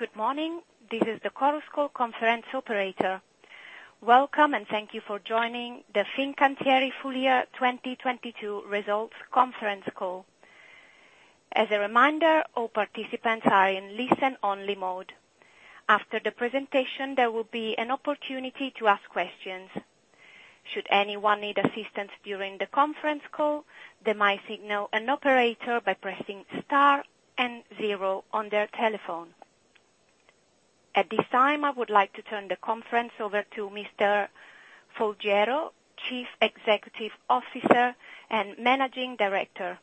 Good morning. This is the Chorus Call conference Operator. Welcome, thank you for joining the Fincantieri Full Year 2022 Results Conference Call. As a reminder, all participants are in listen-only mode. After the presentation, there will be an opportunity to ask questions. Should anyone need assistance during the conference call, they might signal an operator by pressing star and zero on their telephone. At this time, I would like to turn the conference over to Mr. Folgiero, Chief Executive Officer and Managing Director.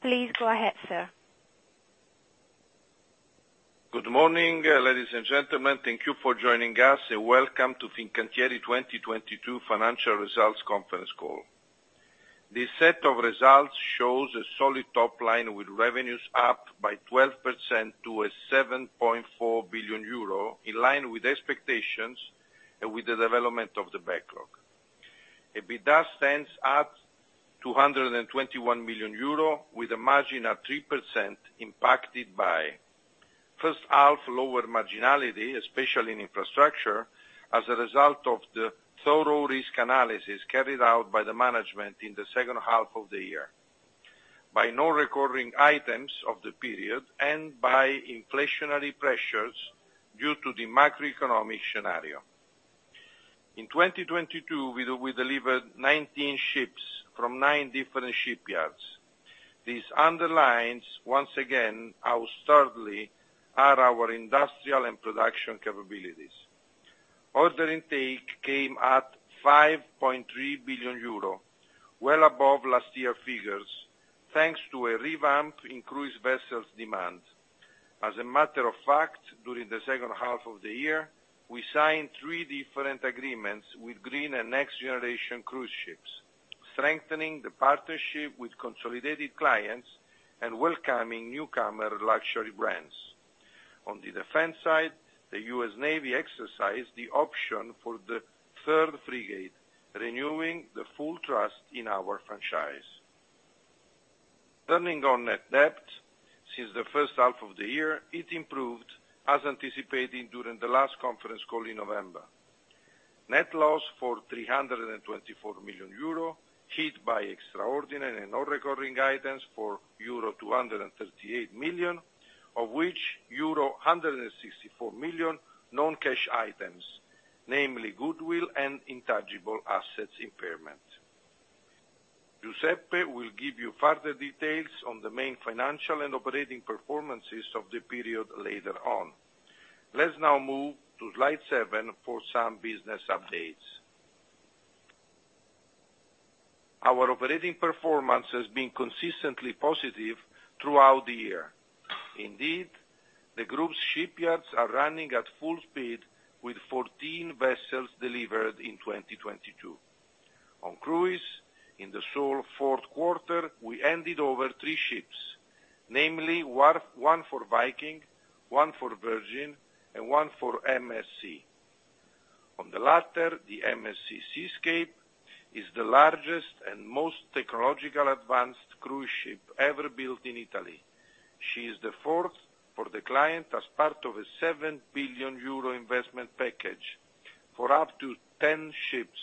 Please go ahead, sir. Good morning, ladies and gentlemen. Thank you for joining us, and welcome to Fincantieri 2022 financial results conference call. The set of results shows a solid top line with revenues up by 12% to 7.4 billion euro, in line with expectations and with the development of the backlog. EBITDA stands at 221 million euro, with a margin of 3% impacted by first half lower marginality, especially in infrastructure, as a result of the thorough risk analysis carried out by the management in the second half of the year. By non-recurring items of the period and by inflationary pressures due to the macroeconomic scenario. In 2022, we delivered 19 ships from nine different shipyards. This underlines once again how sturdily are our industrial and production capabilities. Order intake came at 5.3 billion euro, well above last year figures, thanks to a revamp in Cruise vessels demand. As a matter of fact, during the second half of the year, we signed three different agreements with green and next-generation cruise ships, strengthening the partnership with consolidated clients and welcoming newcomer luxury brands. On the defense side, the U.S. Navy exercised the option for the third frigate, renewing the full trust in our franchise. Turning on net debt, since the first half of the year, it improved as anticipated during the last conference call in November. Net loss for 324 million euro, hit by extraordinary and non-recurring items for euro 238 million, of which euro 164 million non-cash items, namely goodwill and intangible assets impairment. Giuseppe will give you further details on the main financial and operating performances of the period later on. Let's now move to slide seven for some business updates. Our operating performance has been consistently positive throughout the year. Indeed, the group's shipyards are running at full speed with 14 vessels delivered in 2022. On Cruise, in the sole fourth quarter, we handed over three ships, namely one for Viking, one for Virgin and one for MSC. On the latter, the MSC Seascape is the largest and most technological advanced cruise ship ever built in Italy. She is the fourth for the client as part of a 7 billion euro investment package for up to 10 ships,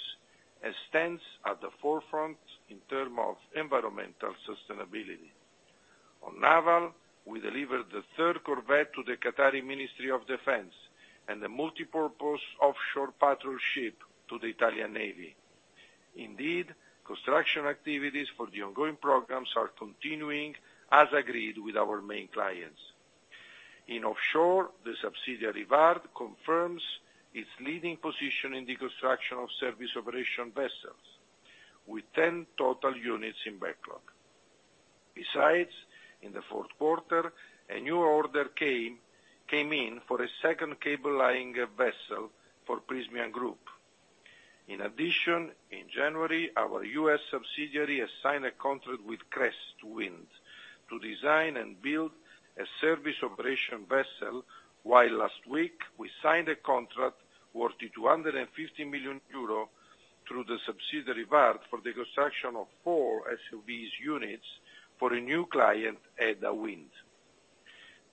and stands at the forefront in term of environmental sustainability. On Naval, we delivered the third corvette to the Qatari Ministry of Defence and the multipurpose offshore patrol ship to the Italian Navy. Indeed, construction activities for the ongoing programs are continuing as agreed with our main clients. In Offshore, the subsidiary Vard, confirms its leading position in the construction of service operation vessels with 10 total units in backlog. Besides, in the fourth quarter, a new order came in for a second cable-laying vessel for Prysmian Group. In addition, in January, our U.S. subsidiary has signed a contract with CREST Wind to design and build a service operation vessel, while last week we signed a contract worth 250 million euro through the subsidiary Vard, for the construction of four SOVs units for a new client, Edda Wind.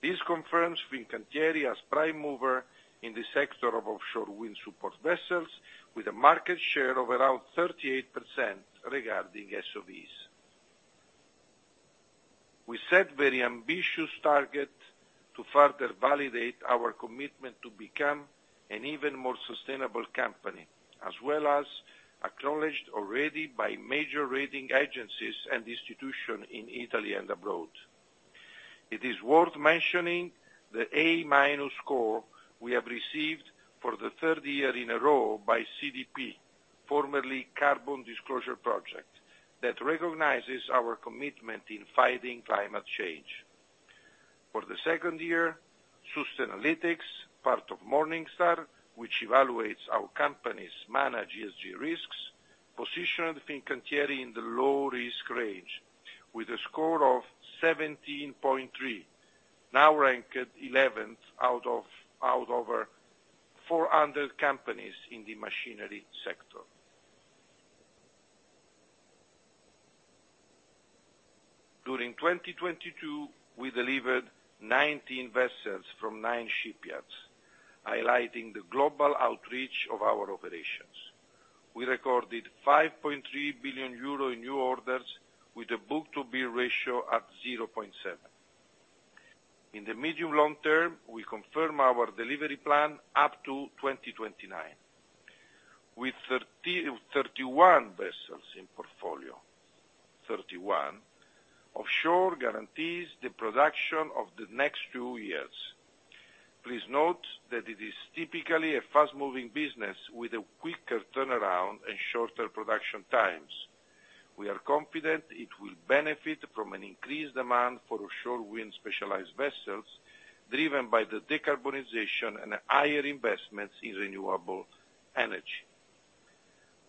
This confirms Fincantieri as prime mover in the sector of Offshore wind support vessels with a market share of around 38% regarding SOVs. We set very ambitious target to further validate our commitment to become an even more sustainable company, as well as acknowledged already by major rating agencies and institution in Italy and abroad. It is worth mentioning the A-minus score we have received for the third year in a row by CDP, formerly Carbon Disclosure Project, that recognizes our commitment in fighting climate change. For the second year, Sustainalytics, part of Morningstar, which evaluates how companies manage ESG risks, positioned Fincantieri in the low risk range with a score of 17.3, now ranked eleventh out of over 400 companies in the machinery sector. During 2022, we delivered 19 vessels from nine shipyards, highlighting the global outreach of our operations. We recorded 5.3 billion euro in new orders, with a book-to-bill ratio at 0.7. In the medium long term, we confirm our delivery plan up to 2029. With 31 vessels in portfolio, 31 Offshore guarantees the production of the next two years. Please note that it is typically a fast-moving business with a quicker turnaround and shorter production times. We are confident it will benefit from an increased demand for Offshore Wind Specialized Vessels driven by the decarbonization and higher investments in renewable energy.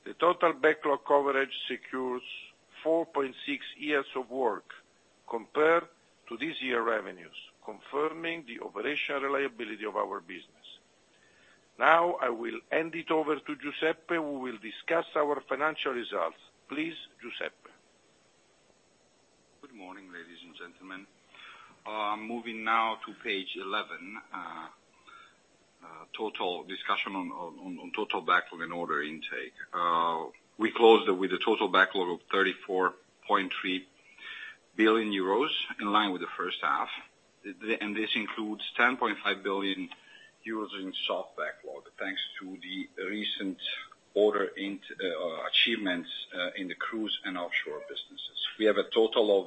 The total backlog coverage secures 4.6 years of work compared to this year revenues, confirming the operational reliability of our business. I will hand it over to Giuseppe, who will discuss our financial results. Please, Giuseppe. Good morning, ladies and gentlemen. Moving now to page 11, total discussion on total backlog and order intake. We closed with a total backlog of 34.3 billion euros in line with the first half. And this includes 10.5 billion euros in soft backlog, thanks to the recent order achievements in the Cruise and Offshore businesses. We have a total of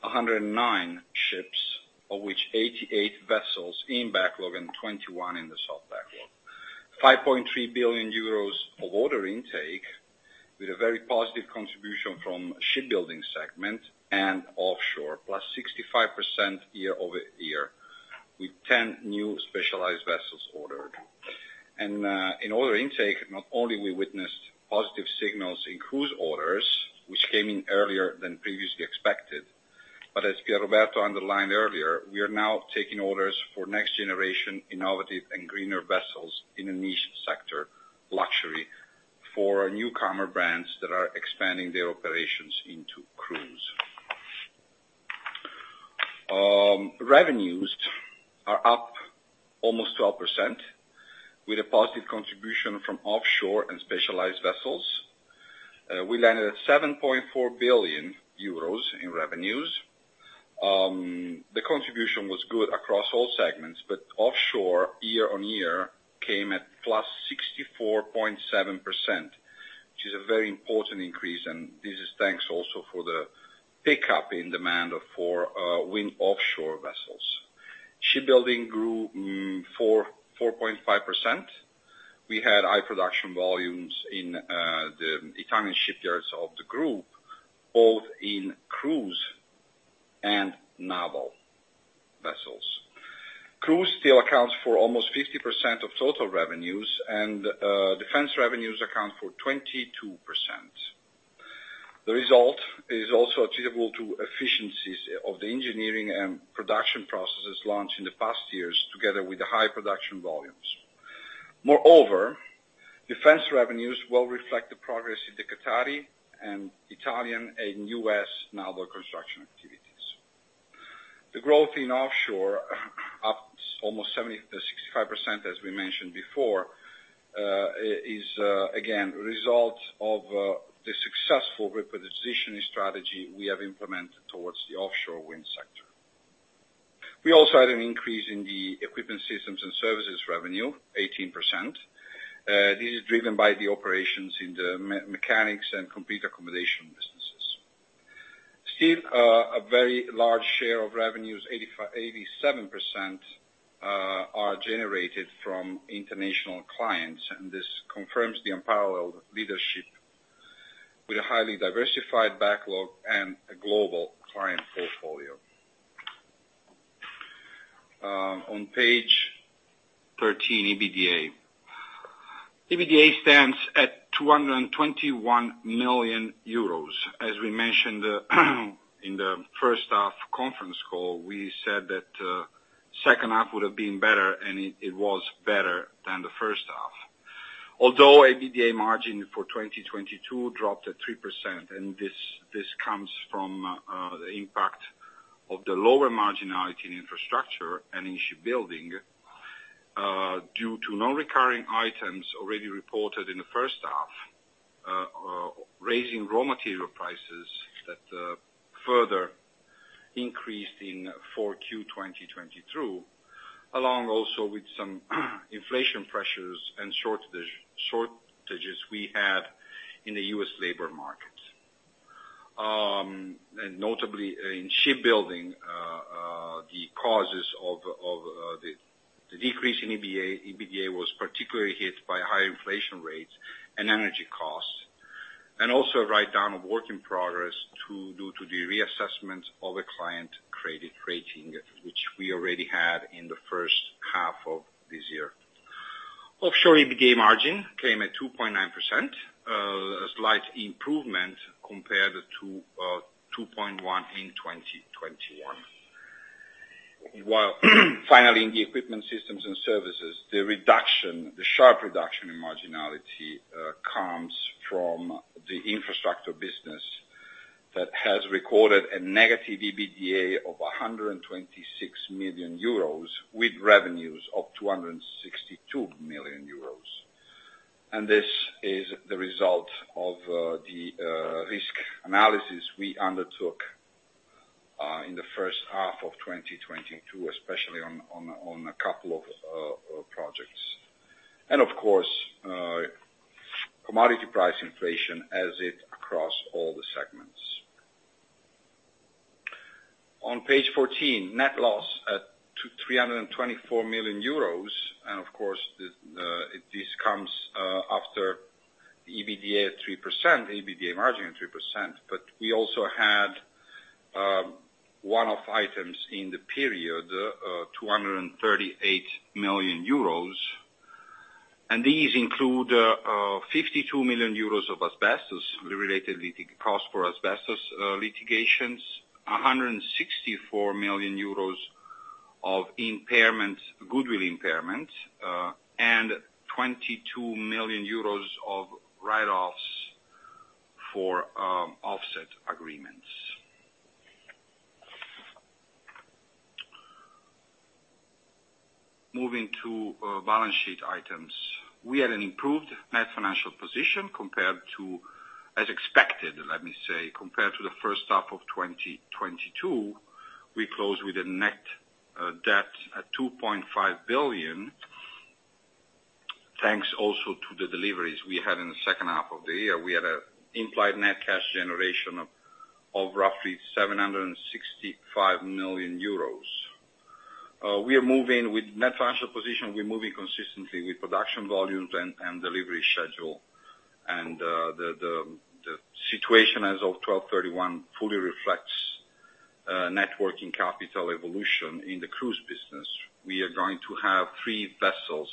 109 ships, of which 88 vessels in backlog and 21 in the soft backlog. 5.3 billion euros of order intake with a very positive contribution from shipbuilding segment and Offshore, +65% year-over-year, with 10 new Specialized Vessels ordered. In order intake, not only we witnessed positive signals in cruise orders, which came in earlier than previously expected, but as Pierroberto underlined earlier, we are now taking orders for next generation innovative and greener vessels in a niche sector, luxury, for newcomer brands that are expanding their operations into cruise. Revenues are up almost 12% with a positive contribution from Offshore and Specialized Vessels. We landed at 7.4 billion euros in revenues. The contribution was good across all segments, but Offshore year-on-year came at +64.7%, which is a very important increase, and this is thanks also for the pickup in demand for wind Offshore vessels. Shipbuilding grew 4.5%. We had high production volumes in the Italian shipyards of the group, both in Cruise and Naval vessels. Cruise still accounts for almost 50% of total revenues, and defense revenues account for 22%. The result is also attributable to efficiencies of the engineering and production processes launched in the past years together with the high production volumes. Moreover, defense revenues will reflect the progress in the Qatari and Italian and U.S. naval construction activities. The growth in Offshore up almost 70%-65%, as we mentioned before, is again, result of the successful repositioning strategy we have implemented towards the Offshore Wind sector. We also had an increase in the equipment systems and services revenue, 18%. This is driven by the operations in the mechanics and complete accommodation businesses. Still, a very large share of revenues, 87%, are generated from international clients, and this confirms the unparalleled leadership with a highly diversified backlog and a global client portfolio. On page 13, EBITDA. EBITDA stands at 221 million euros. As we mentioned in the first half conference call, we said that second half would have been better, and it was better than the first half. Although EBITDA margin for 2022 dropped at 3%, and this comes from the impact of the lower marginality in infrastructure and in shipbuilding, due to non-recurring items already reported in the first half, raising raw material prices that further increased in 4Q 2022, along also with some inflation pressures and shortages we had in the U.S. labor market. Notably in shipbuilding, the causes of the decrease in EBITDA was particularly hit by high inflation rates and energy costs, and also write down of work in progress due to the reassessment of a client credit rating, which we already had in the first half of this year. Offshore EBITDA margin came at 2.9%, a slight improvement compared to 2.1 in 2020. Finally, in the equipment systems and services, the sharp reduction in marginality comes from the infrastructure business that has recorded a negative EBITDA of 126 million euros with revenues of 262 million euros. This is the result of the risk analysis we undertook in the first half of 2022, especially on a couple of projects. Of course, commodity price inflation as it across all the segments. On page 14, net loss at 324 million euros. Of course, this comes after the EBITDA at 3%, EBITDA margin at 3%. We also had one-off items in the period, 238 million euros. These include 52 million euros of asbestos-related costs for asbestos litigations, 164 million euros of impairment, goodwill impairment, and 22 million euros of write-offs for offset agreements. Moving to balance sheet items. We had an improved net financial position compared to, as expected, let me say, compared to the first half of 2022. We closed with a net debt at 2.5 billion, thanks also to the deliveries we had in the second half of the year. We had an implied net cash generation of roughly 765 million euros. We are moving with net financial position, we're moving consistently with production volumes and delivery schedule. The situation as of 12/31 fully reflects net working capital evolution in the Cruise business. We are going to have three vessels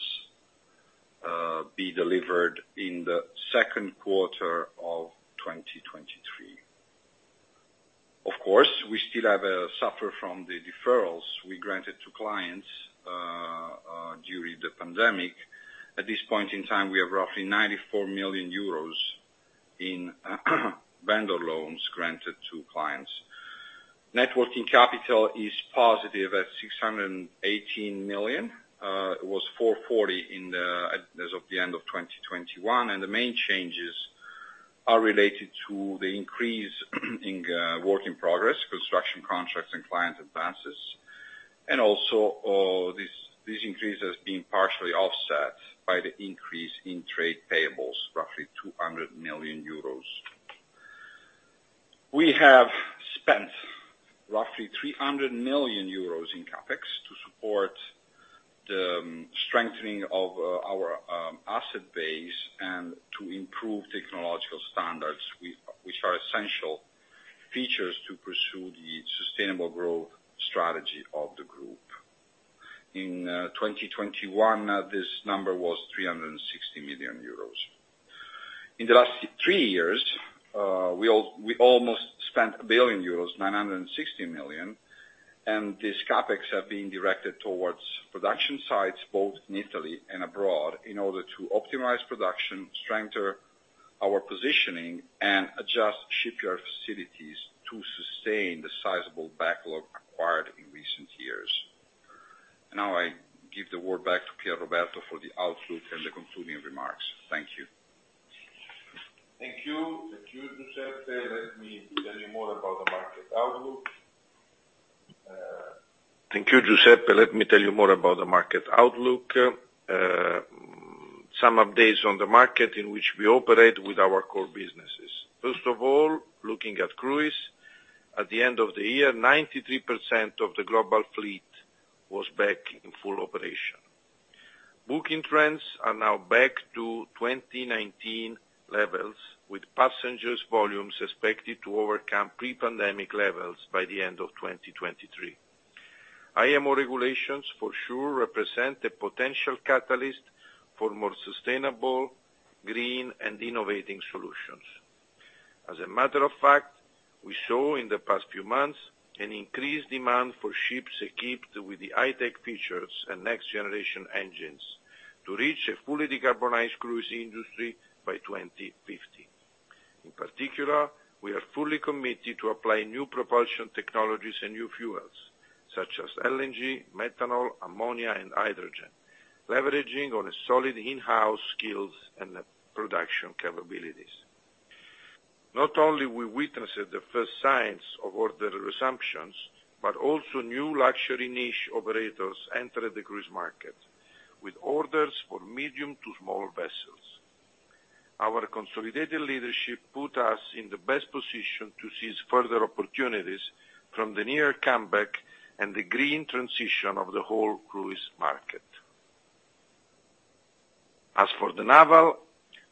be delivered in the second quarter of 2023. Of course, we still have suffer from the deferrals we granted to clients during the pandemic. At this point in time, we have roughly 94 million euros in vendor loans granted to clients. Net working capital is positive at 618 million. It was 440 million as of the end of 2021, the main changes are related to the increase in work in progress, construction contracts and client advances. Also, these increases being partially offset by the increase in trade payables, roughly 200 million euros. We have spent roughly 300 million euros in CapEx to support the strengthening of our asset base and to improve technological standards which are essential features to pursue the sustainable growth strategy of the group. In 2021, this number was 360 million euros. In the last three years, we almost spent 1 billion euros, 960 million. These CapEx have been directed towards production sites both in Italy and abroad in order to optimize production, strengthen our positioning, and adjust shipyard facilities to sustain the sizable backlog acquired in recent years. Now I give the word back to Pierroberto for the outlook and the concluding remarks. Thank you. Thank you. Thank you, Giuseppe. Let me tell you more about the market outlook. Some updates on the market in which we operate with our core businesses. First of all, looking at Cruise. At the end of the year, 93% of the global fleet was back in full operation. Booking trends are now back to 2019 levels, with passengers volumes expected to overcome pre-pandemic levels by the end of 2023. IMO regulations for sure represent a potential catalyst for more sustainable, green and innovating solutions. As a matter of fact, we saw in the past few months an increased demand for ships equipped with the high-tech features and next generation engines to reach a fully decarbonized cruise industry by 2050. In particular, we are fully committed to apply new propulsion technologies and new fuels such as LNG, methanol, ammonia and hydrogen, leveraging on solid in-house skills and production capabilities. Not only we witnessed the first signs of order resumptions, but also new luxury niche operators entered the cruise market with orders for medium to small vessels. Our consolidated leadership put us in the best position to seize further opportunities from the near comeback and the green transition of the whole cruise market. As for the Naval,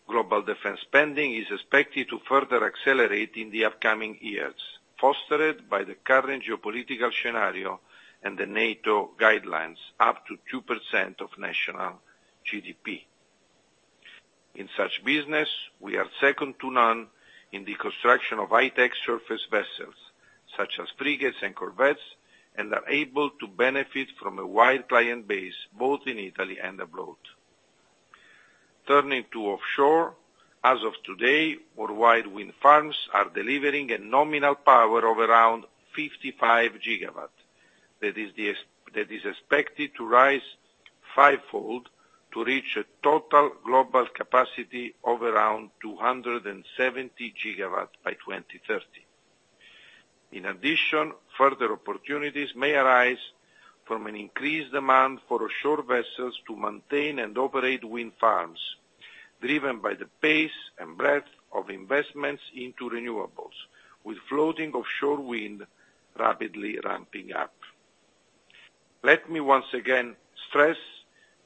global defense spending is expected to further accelerate in the upcoming years, fostered by the current geopolitical scenario and the NATO guidelines, up to 2% of national GDP. In such business, we are second to none in the construction of high-tech surface vessels such as frigates and corvettes and are able to benefit from a wide client base both in Italy and abroad. Turning to Offshore, as of today, worldwide wind farms are delivering a nominal power of around 55 GW. That is expected to rise five-fold to reach a total global capacity of around 270 GW by 2030. In addition, further opportunities may arise from an increased demand for Offshore vessels to maintain and operate wind farms, driven by the pace and breadth of investments into renewables, with floating Offshore Wind rapidly ramping up. Let me once again stress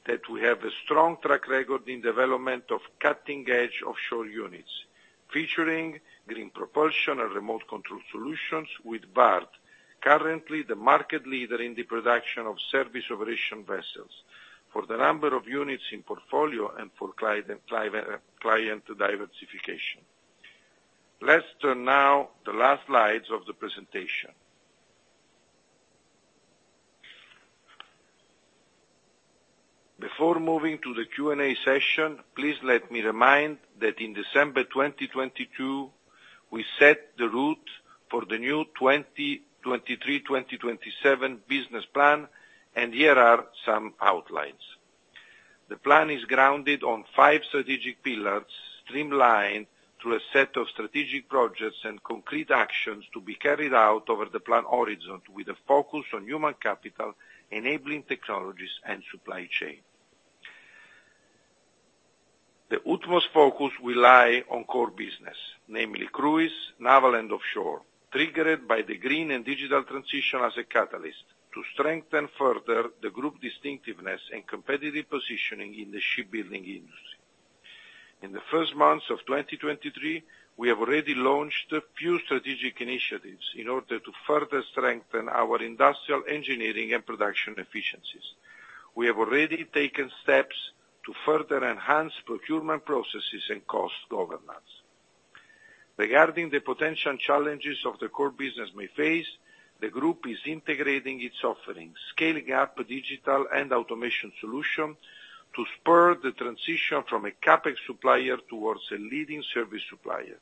that we have a strong track record in development of cutting-edge offshore units, featuring green propulsion and remote control solutions with Vard, currently the market leader in the production of service operation vessels for the number of units in portfolio and for client diversification. Let's turn now the last slides of the presentation. Before moving to the Q&A session, please let me remind that in December 2022, we set the route for the new 2023-2027 Business Plan. Here are some outlines. The plan is grounded on five strategic pillars, streamlined through a set of strategic projects and concrete actions to be carried out over the plan origins, with a focus on human capital, enabling technologies, and supply chain. The utmost focus will lie on core business, namely Cruise, Naval, and Offshore, triggered by the green and digital transition as a catalyst to strengthen further the group distinctiveness and competitive positioning in the shipbuilding industry. In the first months of 2023, we have already launched a few strategic initiatives in order to further strengthen our industrial engineering and production efficiencies. We have already taken steps to further enhance procurement processes and cost governance. Regarding the potential challenges the core business may face, the group is integrating its offerings, scaling up digital and automation solution to spur the transition from a CapEx supplier towards a leading service supplier.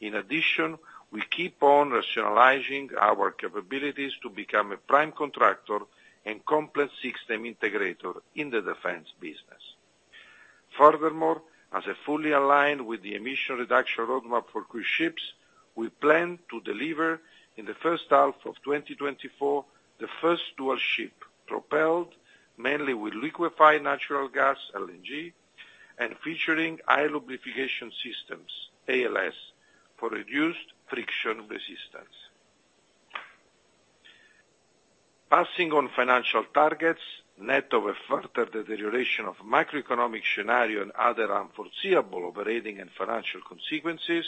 In addition, we keep on rationalizing our capabilities to become a prime contractor and complex system integrator in the defense business. Furthermore, as fully aligned with the emission reduction roadmap for Cruise ships, we plan to deliver, in the first half of 2024, the first dual ship propelled mainly with liquefied natural gas, LNG, and featuring air lubrication systems, ALS, for reduced friction resistance. Passing on financial targets, net of a further deterioration of macroeconomic scenario and other unforeseeable operating and financial consequences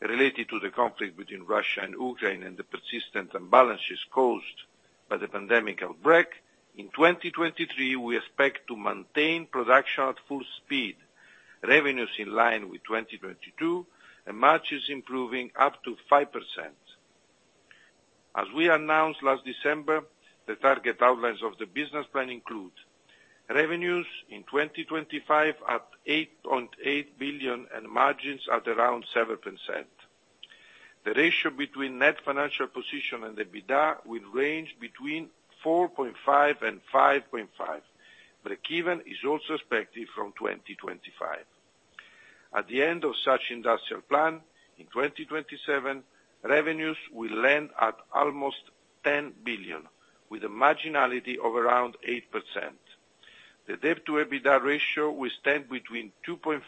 related to the conflict between Russia and Ukraine and the persistent imbalances caused by the pandemic outbreak, in 2023, we expect to maintain production at full speed. Revenue is in line with 2022, and margin is improving up to 5%. As we announced last December, the target outlines of the Business Plan include revenues in 2025 at 8.8 billion and margins at around 7%. The ratio between net financial position and the EBITDA will range between 4.5 and 5.5. Breakeven is also expected from 2025. At the end of such industrial plan, in 2027, revenues will land at almost 10 billion with a marginality of around 8%. The debt to EBITDA ratio will stand between 2.5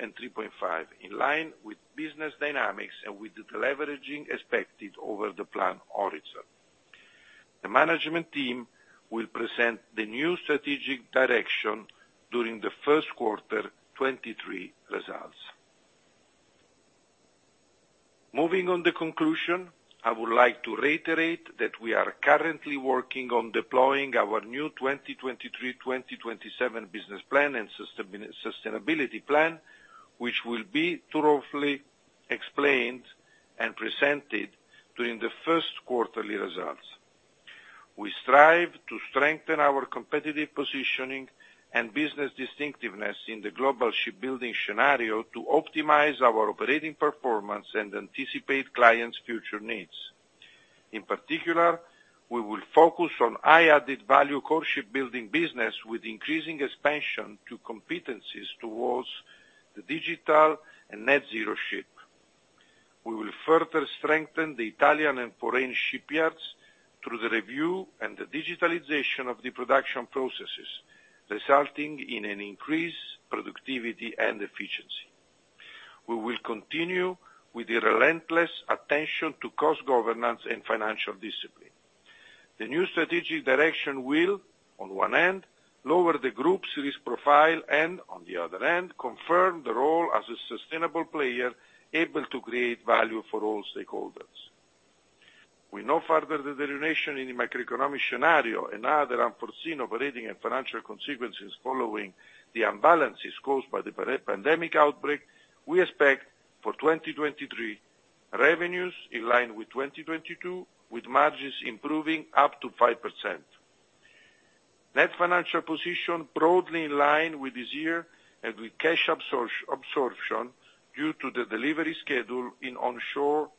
and 3.5, in line with business dynamics and with the deleveraging expected over the plan origin. The management team will present the new strategic direction during the first quarter 2023 results. Moving on to conclusion, I would like to reiterate that we are currently working on deploying our new 2023/2027 Business Plan and Sustainability Plan, which will be thoroughly explained and presented during the first quarterly results. We strive to strengthen our competitive positioning and business distinctiveness in the global shipbuilding scenario to optimize our operating performance and anticipate clients' future needs. In particular, we will focus on high added value core shipbuilding business with increasing expansion to competencies towards the digital and net zero ship. We will further strengthen the Italian and foreign shipyards through the review and the digitalization of the production processes, resulting in an increased productivity and efficiency. We will continue with the relentless attention to cost governance and financial discipline. The new strategic direction will, on one hand, lower the group's risk profile and, on the other hand, confirm the role as a sustainable player able to create value for all stakeholders. We know further deterioration in the macroeconomic scenario and other unforeseen operating and financial consequences following the imbalances caused by the pandemic outbreak, we expect for 2023 revenues in line with 2022, with margins improving up to 5%. Net financial position broadly in line with this year and with cash absorption due to the delivery schedule in onshore.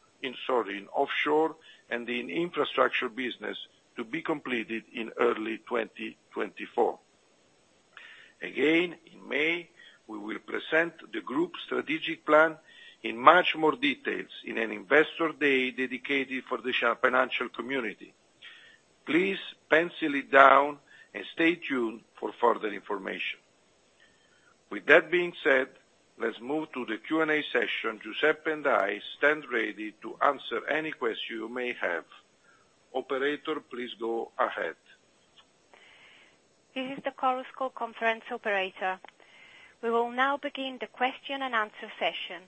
Sorry, in Offshore and in infrastructure business to be completed in early 2024. Again, in May, we will present the group's strategic plan in much more details in an investor day dedicated for the financial community. Please pencil it down and stay tuned for further information. With that being said, let's move to the Q&A session. Giuseppe and I stand ready to answer any question you may have. Operator, please go ahead. This is the Chorus Call conference operator. We will now begin the Q&A session.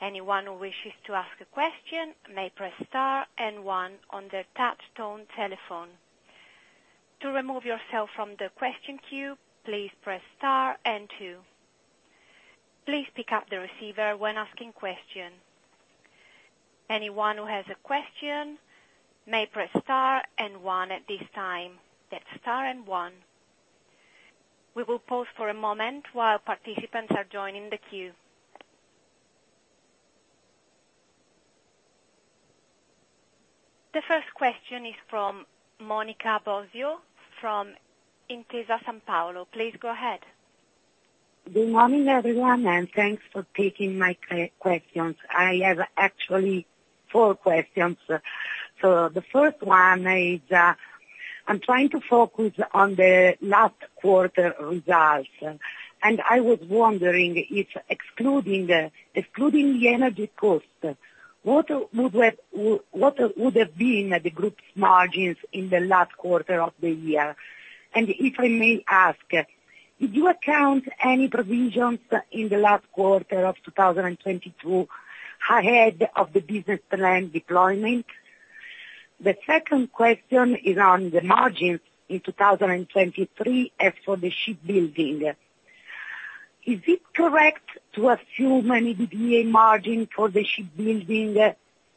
Anyone who wishes to ask a question may press star and one on their touch tone telephone. To remove yourself from the question queue, please press star and two. Please pick up the receiver when asking question. Anyone who has a question may press star and one at this time. That's star and one. We will pause for a moment while participants are joining the queue. The first question is from Monica Bosio from Intesa Sanpaolo. Please go ahead. Good morning, everyone. Thanks for taking my questions. I have actually four questions. The first one is, I'm trying to focus on the last quarter results, and I was wondering if excluding the energy cost, what would have been the group's margins in the last quarter of the year? If I may ask, did you account any provisions in the last quarter of 2022 ahead of the Business Plan deployment? The second question is on the margins in 2023 as for the shipbuilding. Is it correct to assume an EBITDA margin for the shipbuilding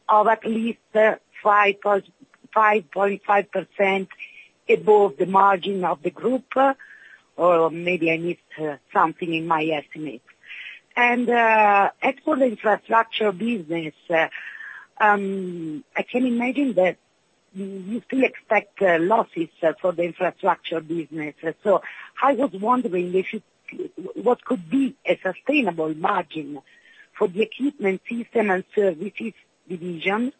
of at least 5.5% above the margin of the group? Maybe I missed something in my estimate. As for the infrastructure business, I can imagine that you still expect losses for the infrastructure business. I was wondering what could be a sustainable margin for the equipment system and services division,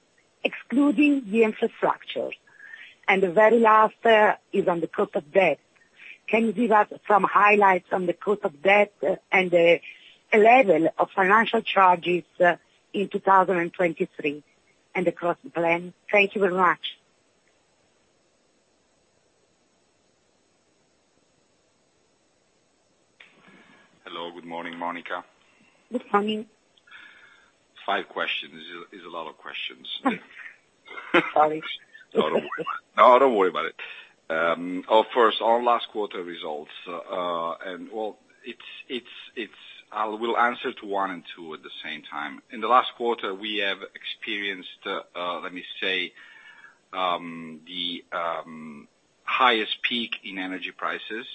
excluding the infrastructure? The very last is on the cost of debt. Can you give us some highlights on the cost of debt and the level of financial charges in 2023 and across the plan? Thank you very much. Hello. Good morning, Monica. Good morning. Five questions is a lot of questions. Sorry. No, don't worry. No, don't worry about it. First, on last quarter results. We'll answer to one and two at the same time. In the last quarter, we have experienced the highest peak in energy prices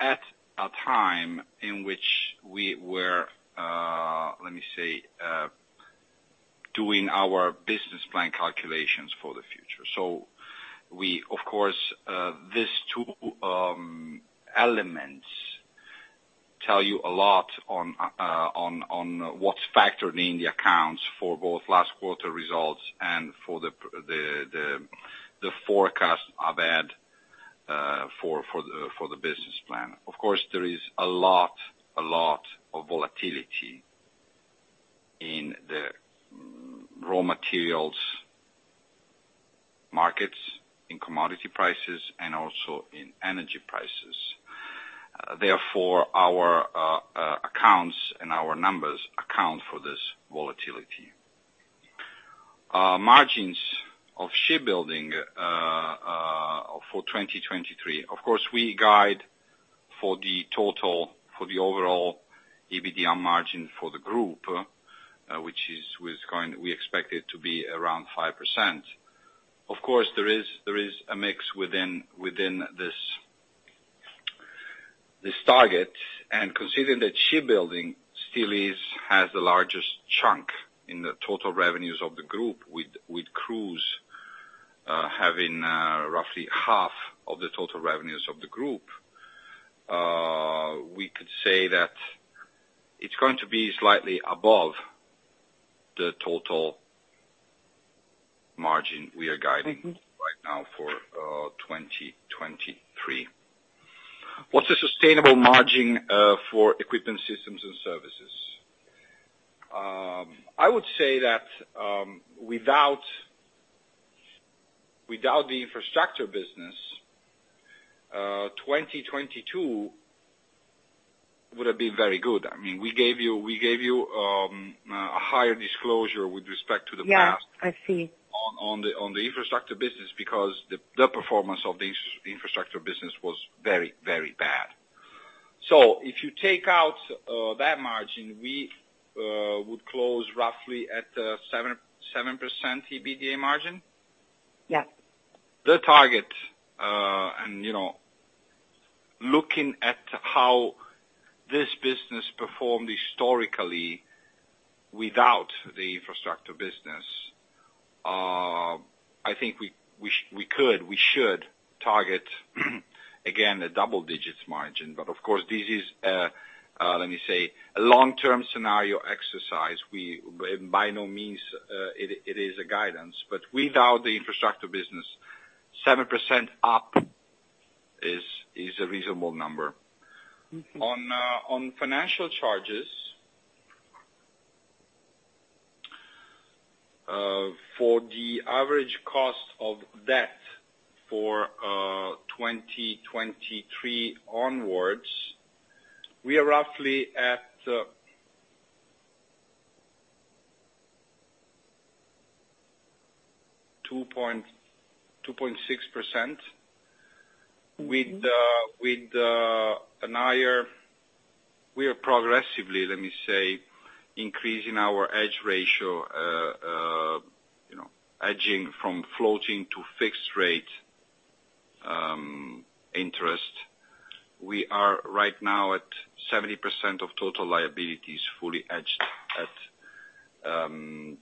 at a time in which we were doing our Business Plan calculations for the future. We, of course, these two elements tell you a lot on what's factored in the accounts for both last quarter results and for the forecast I've had for the Business Plan. Of course, there is a lot of volatility in the raw materials markets, in commodity prices, and also in energy prices. Therefore, our accounts and our numbers account for this volatility. Margins of shipbuilding for 2023. Of course, we guide for the total, for the overall EBITDA margin for the group, which we expect it to be around 5%. Of course, there is a mix within this target. Considering that shipbuilding still has the largest chunk in the total revenues of the group with Cruise, having roughly half of the total revenues of the group, we could say that it's going to be slightly above the total margin we are guiding. Mm-hmm. Right now for, 2023. What's the sustainable margin for equipment systems and services? I would say that, without the infrastructure business, 2022. Would have been very good. I mean, we gave you a higher disclosure with respect to the past. Yeah, I see. ...on the infrastructure business because the performance of the infrastructure business was very bad. If you take out that margin, we would close roughly at 7% EBITDA margin. Yes. The target, and, you know, looking at how this business performed historically without the infrastructure business, I think we could, we should target, again, a double-digits margin. Of course, this is, let me say, a long-term scenario exercise. By no means, it is a guidance, but without the infrastructure business, 7% up is a reasonable number. On financial charges for the average cost of debt for 2023 onwards, we are roughly at 2.6%. We are progressively, let me say, increasing our edge ratio, you know, hedging from floating to fixed rate interest. We are right now at 70% of total liabilities, fully edged at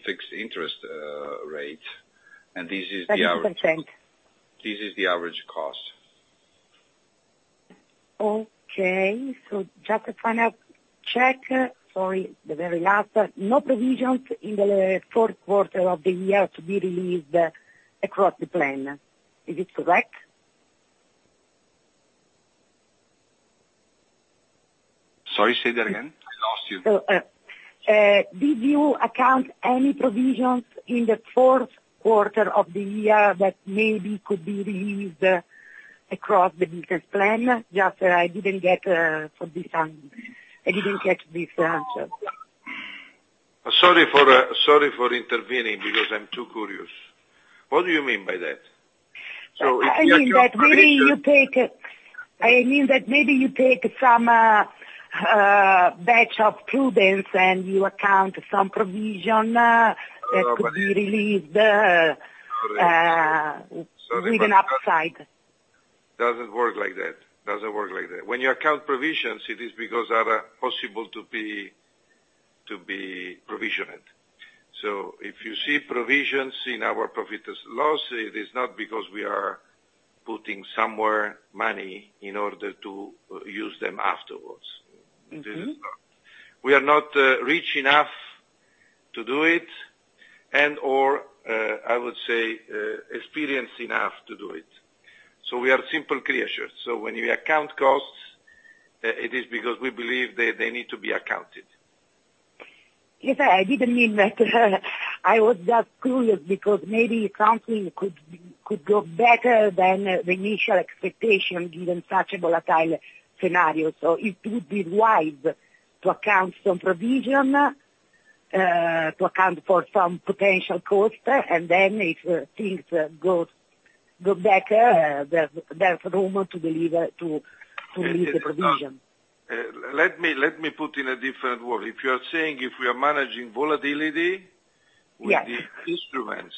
fixed interest rate. This is the average cost. Okay. Just a final check. Sorry, the very last. No provisions in the fourth quarter of the year to be released across the plan. Is it correct? Sorry, say that again. I lost you. Did you account any provisions in the fourth quarter of the year that maybe could be released across the Business Plan? Just, I didn't get, for this time. I didn't get this answer. Sorry for intervening because I'm too curious. What do you mean by that? If you account provisions. I mean that maybe you take some batch of prudence and you account some provision that could be released with an upside. Doesn't work like that. Doesn't work like that. When you account provisions, it is because they are possible to be provisioned. If you see provisions in our profits loss, it is not because we are putting somewhere money in order to use them afterwards. Mm-hmm. We are not, rich enough to do it and/or, I would say, experienced enough to do it. We are simple creatures. When we account costs, it is because we believe they need to be accounted. Yes, I didn't mean that. I was just curious because maybe something could go better than the initial expectation, given such a volatile scenario. It would be wise to account some provision to account for some potential cost. Then if things go back, there's room to deliver, to meet the provision. Let me put in a different way. If you are saying if we are managing volatility-. Yes ...with the instruments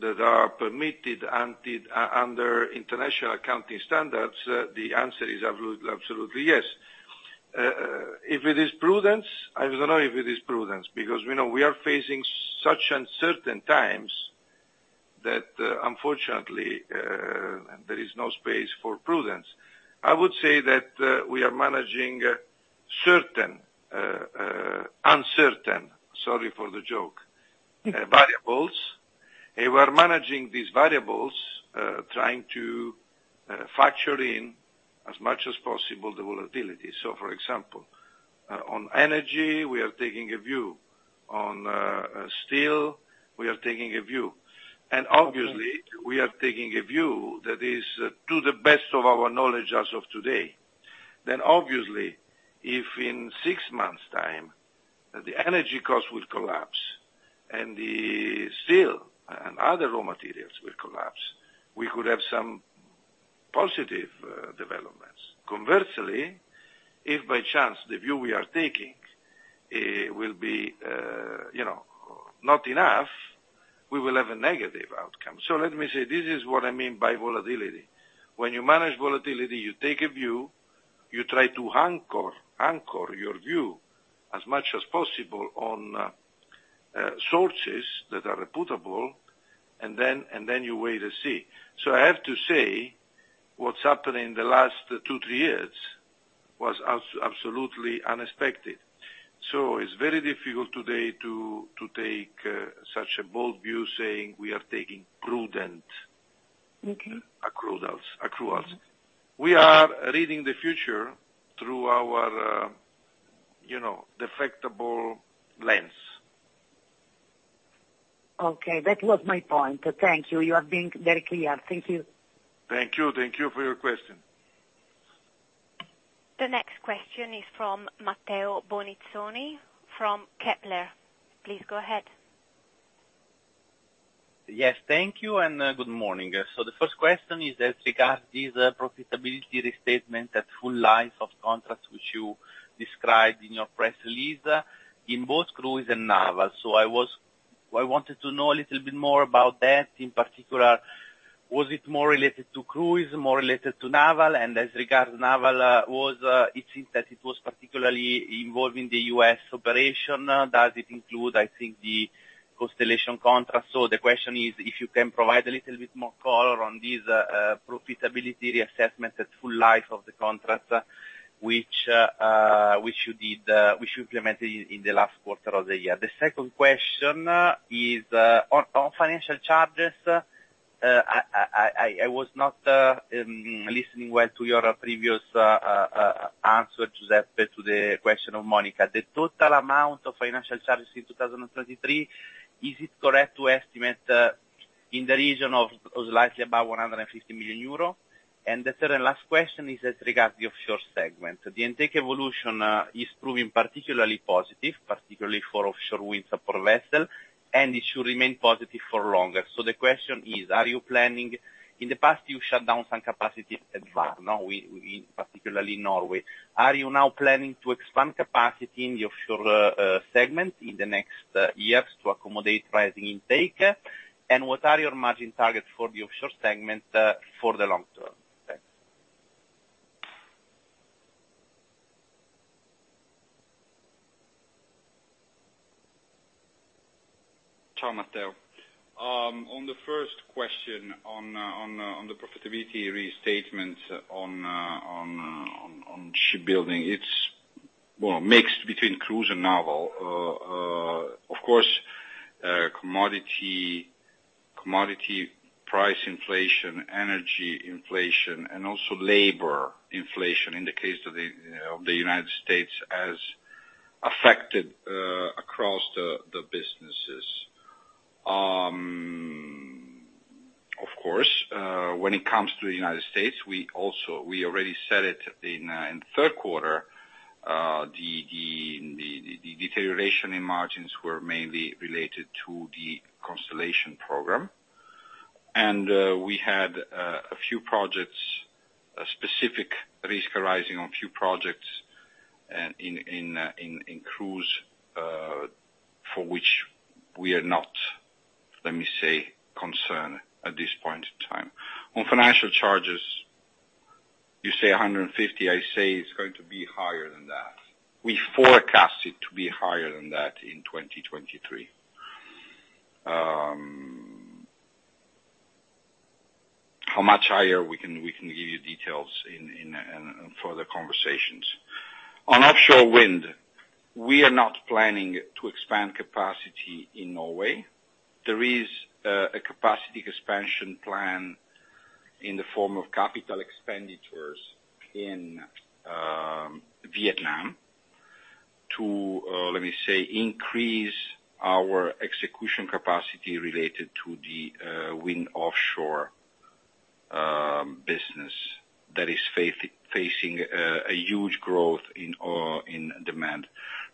that are permitted under International Accounting Standards, the answer is absolutely yes. If it is prudence, I don't know if it is prudence because we know we are facing such uncertain times that, unfortunately, there is no space for prudence. I would say that we are managing certain, uncertain, sorry for the joke, variables, and we're managing these variables, trying to factor in as much as possible the volatility. For example, on energy we are taking a view, on steel we are taking a view. Obviously we are taking a view that is to the best of our knowledge as of today. Obviously if in six months' time the energy cost will collapse and the steel and other raw materials will collapse, we could have some positive developments. Conversely, if by chance the view we are taking, will be, you know, not enough, we will have a negative outcome. Let me say this is what I mean by volatility. When you manage volatility, you take a view, you try to anchor your view as much as possible on, sources that are reputable and then you wait and see. I have to say what's happened in the last two, three years was absolutely unexpected. It's very difficult today to take such a bold view saying we are taking prudent accruals. Okay We are reading the future through our, you know, defectable lens. Okay, that was my point. Thank you. You have been very clear. Thank you. Thank you. Thank you for your question. The next question is from Matteo Bonizzoni from Kepler. Please go ahead. Yes, thank you, good morning. The first question is as regards these profitability restatement at full life of contracts which you described in your press release in both Cruise and Naval. I wanted to know a little bit more about that. In particular, was it more related to Cruise, more related to Naval? As regards Naval, it seems that it was particularly involving the U.S. operation. Does it include, I think, the Constellation contract? The question is if you can provide a little bit more color on these profitability reassessment at full life of the contract, which you did, which you implemented in the last quarter of the year. The second question is on financial charges. I was not listening well to your previous answer, Giuseppe, to the question of Monica. The total amount of financial charges in 2023, is it correct to estimate in the region of slightly above 150 million euro? The third and last question is as regards the Offshore segment. The intake evolution is proving particularly positive, particularly for Offshore Wind support vessel, and it should remain positive for longer. The question is, in the past, you shut down some capacity at Vard, no? In particularly Norway. Are you now planning to expand capacity in the Offshore segment in the next years to accommodate rising intake? What are your margin targets for the Offshore segment, for the long term? Thanks. Ciao, Matteo. On the first question on the profitability restatement on shipbuilding, it's well mixed between Cruise and Naval. Of course, commodity price inflation, energy inflation, and also labor inflation in the case of the United States has affected across the businesses. Of course, when it comes to the United States, we already said it in the third quarter, the deterioration in margins were mainly related to the Constellation program. We had a few projects, a specific risk arising on a few projects in Cruise, for which we are not, let me say, concerned at this point in time. On financial charges, you say 150. I say it's going to be higher than that. We forecast it to be higher than that in 2023. How much higher we can give you details in further conversations. On Offshore Wind, we are not planning to expand capacity in Norway. There is a capacity expansion plan in the form of capital expenditures in Vietnam to let me say, increase our execution capacity related to the wind Offshore business that is facing a huge growth in demand.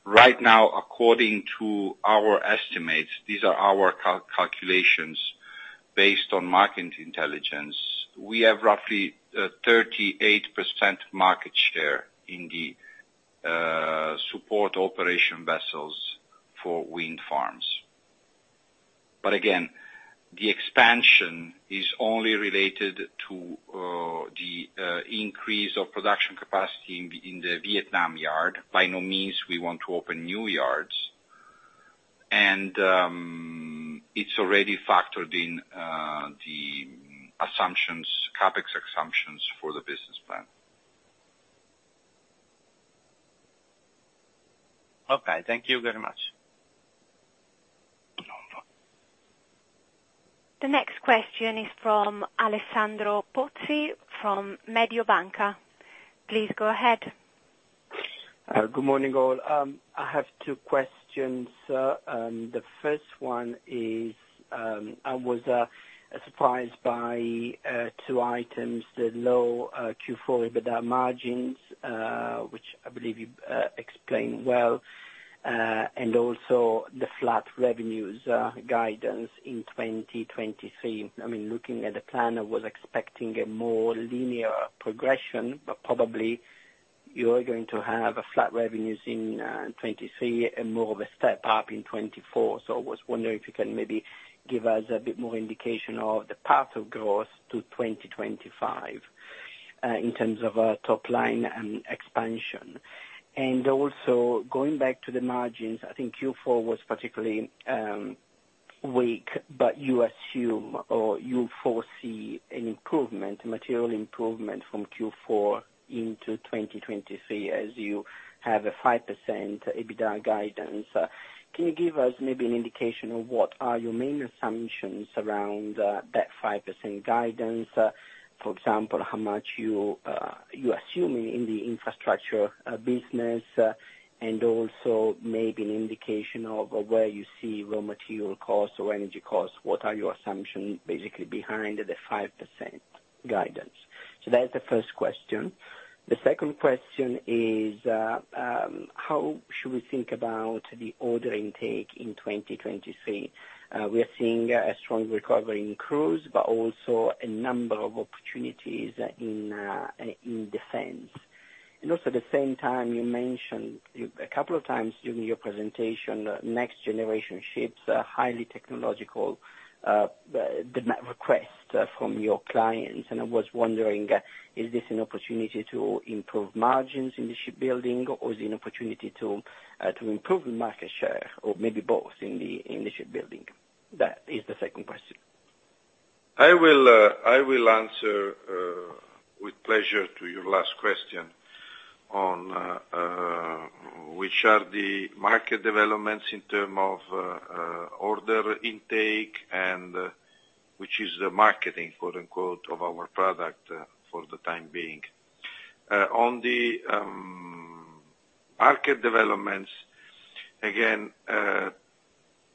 Right now, according to our estimates, these are our calculations based on market intelligence. We have roughly 38% market share in the support operation vessels for wind farms. But again, the expansion is only related to the increase of production capacity in the Vietnam yard. By no means we want to open new yards. It's already factored in the assumptions, CapEx assumptions for the Business Plan. Okay, thank you very much. No problem. The next question is from Alessandro Pozzi from Mediobanca. Please go ahead. Good morning, all. I have two questions. The first one is, I was surprised by two items, the low Q4 EBITDA margins, which I believe you explained well, and also the flat revenues guidance in 2023. I mean, looking at the plan, I was expecting a more linear progression, but probably you are going to have a flat revenues in 2023 and more of a step-up in 2024. I was wondering if you can maybe give us a bit more indication of the path of growth to 2025 in terms of top line and expansion. Going back to the margins, I think Q4 was particularly weak, but you assume or you foresee an improvement, a material improvement from Q4 into 2023 as you have a 5% EBITDA guidance. Can you give us maybe an indication of what are your main assumptions around that 5% guidance? For example, how much you assume in the infrastructure business, and also maybe an indication of where you see raw material costs or energy costs, what are your assumptions basically behind the 5% guidance? So that's the first question. The second question is, how should we think about the order intake in 2023? We are seeing a strong recovery in Cruise, but also a number of opportunities in defense. At the same time, you mentioned a couple of times during your presentation, next generation ships, highly technological request from your clients. I was wondering, is this an opportunity to improve margins in the shipbuilding, or is an opportunity to improve market share, or maybe both in the shipbuilding? That is the second question. I will answer with pleasure to your last question on which are the market developments in term of order intake and which is the marketing, quote-unquote, of our product for the time being. On the market developments, again,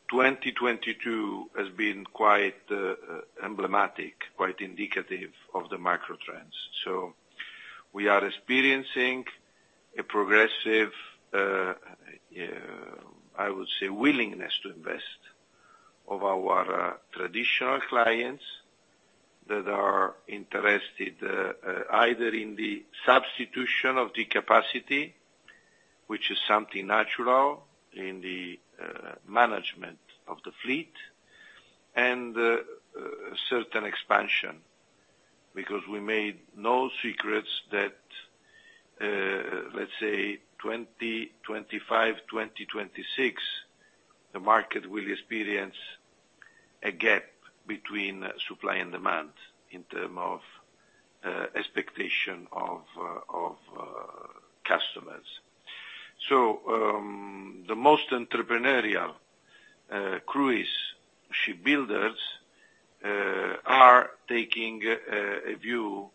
2022 has been quite emblematic, quite indicative of the macro trends. We are experiencing a progressive, I would say, willingness to invest of our traditional clients that are interested either in the substitution of the capacity, which is something natural in the management of the fleet, and certain expansion. We made no secrets that, let's say, 2025, 2026, the market will experience a gap between supply and demand in term of expectation of customers. The most entrepreneurial cruise shipbuilders are taking a view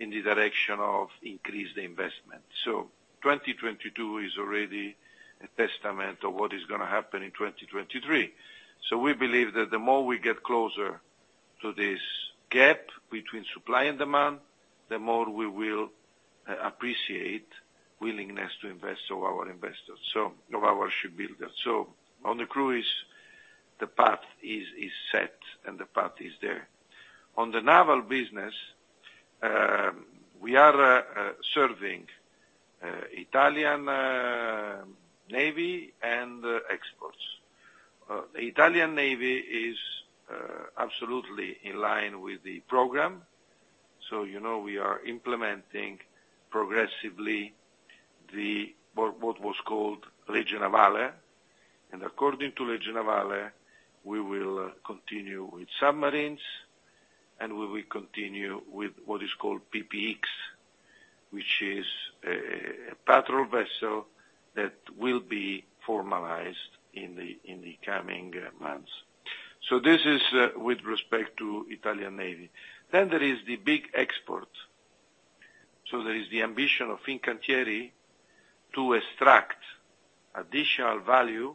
in the direction of increase the investment. 2022 is already a testament of what is gonna happen in 2023. We believe that the more we get closer to this gap between supply and demand, the more we will appreciate willingness to invest of our investors, so of our shipbuilders. On the Cruise, the path is set and the path is there. On the Naval business, we are serving Italian Navy and exports. The Italian Navy is absolutely in line with the program. You know, we are implementing progressively the what was called Legge Navale. According to Legge Navale, we will continue with submarines and we will continue with what is called PPX, which is a patrol vessel that will be formalized in the coming months. This is with respect to Italian Navy. There is the big export. There is the ambition of Fincantieri to extract additional value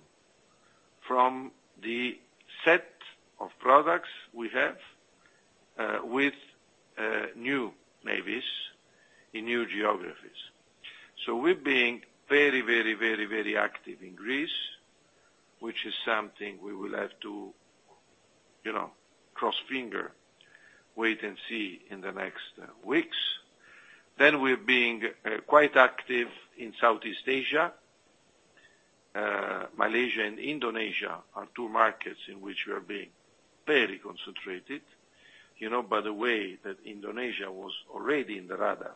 from the set of products we have with new navies in new geographies. We're being very active in Greece, which is something we will have to, you know, cross finger, wait and see in the next weeks. We're being quite active in Southeast Asia. Malaysia and Indonesia are two markets in which we are being very concentrated. You know, by the way, that Indonesia was already in the radar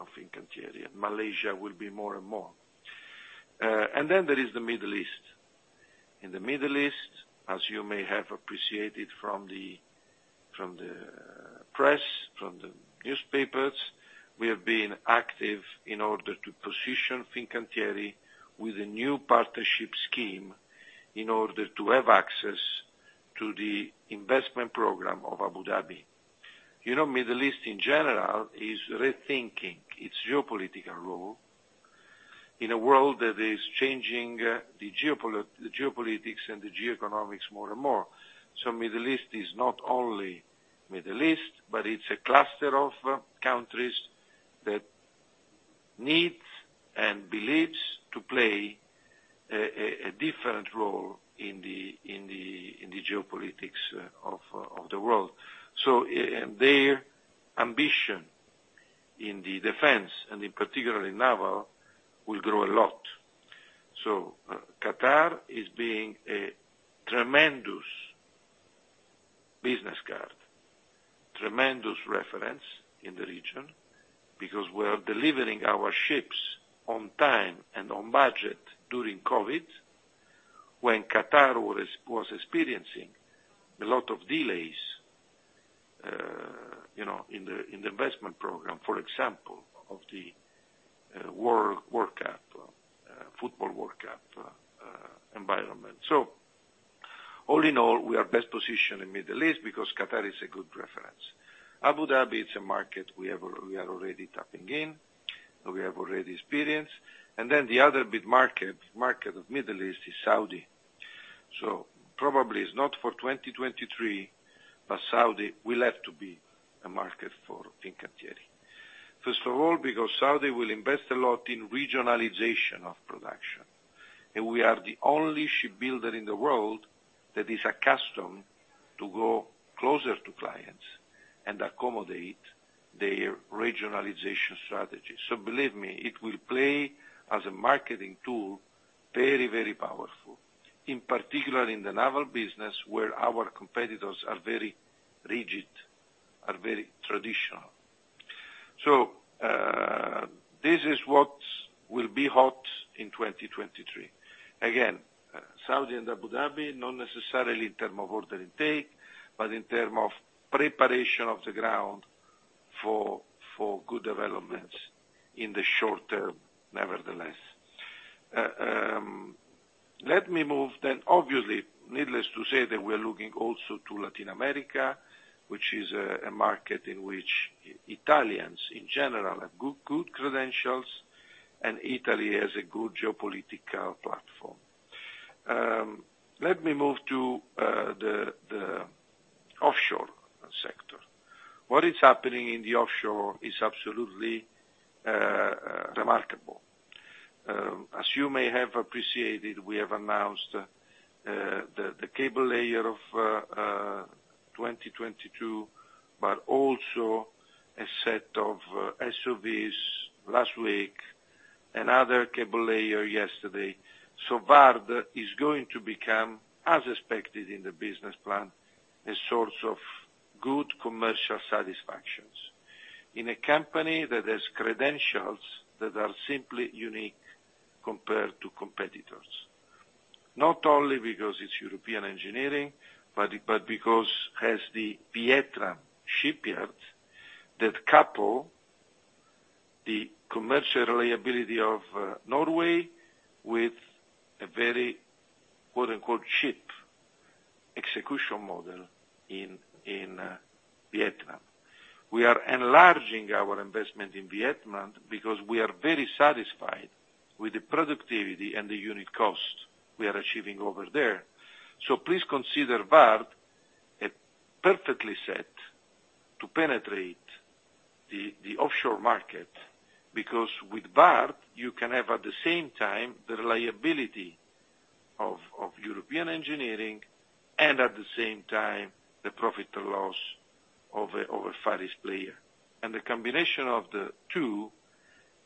of Fincantieri, and Malaysia will be more and more. Then there is the Middle East. In the Middle East, as you may have appreciated from the, from the press, from the newspapers, we have been active in order to position Fincantieri with a new partnership scheme in order to have access to the investment program of Abu Dhabi. You know, Middle East, in general, is rethinking its geopolitical role in a world that is changing, the geopolitics and the geoeconomics more and more. Middle East is not only Middle East, but it's a cluster of countries that needs and believes to play a different role in the geopolitics of the world. And their ambition in the defense, and in particular in Naval, will grow a lot. Qatar is being a tremendous business card, tremendous reference in the region because we're delivering our ships on time and on budget during COVID, when Qatar was experiencing a lot of delays, you know, in the investment program, for example, of the World Cup, football World Cup environment. All in all, we are best positioned in Middle East because Qatar is a good reference. Abu Dhabi, it's a market we are already tapping in, and we have already experience. The other big market of Middle East is Saudi. Probably it's not for 2023, but Saudi will have to be a market for Fincantieri. Because Saudi will invest a lot in regionalization of production, and we are the only shipbuilder in the world that is accustomed to go closer to clients and accommodate their regionalization strategy. Believe me, it will play as a marketing tool very, very powerful. In particular, in the Naval business, where our competitors are very rigid, are very traditional. This is what will be hot in 2023. Again, Saudi and Abu Dhabi, not necessarily in terms of order intake, but in terms of preparation of the ground for good developments in the short term, nevertheless. Let me move, obviously, needless to say, that we're looking also to Latin America, which is a market in which Italians, in general, have good credentials, and Italy has a good geopolitical platform. Let me move to the Offshore sector. What is happening in the Offshore is absolutely remarkable. As you may have appreciated, we have announced the cable layer of 2022, also a set of SUVs last week, another cable layer yesterday. Vard is going to become, as expected in the Business Plan, a source of good commercial satisfactions. In a company that has credentials that are simply unique compared to competitors. Not only because it's European engineering, but because it has the Vietnam shipyard that couple the commercial reliability of Norway with a very quote-unquote, "cheap" execution model in Vietnam. We are enlarging our investment in Vietnam because we are very satisfied with the productivity and the unit cost we are achieving over there. Please consider Vard a perfectly set to penetrate the Offshore market, because with Vard, you can have at the same time, the reliability of European engineering and at the same time, the profit and loss of a Far East player. The combination of the two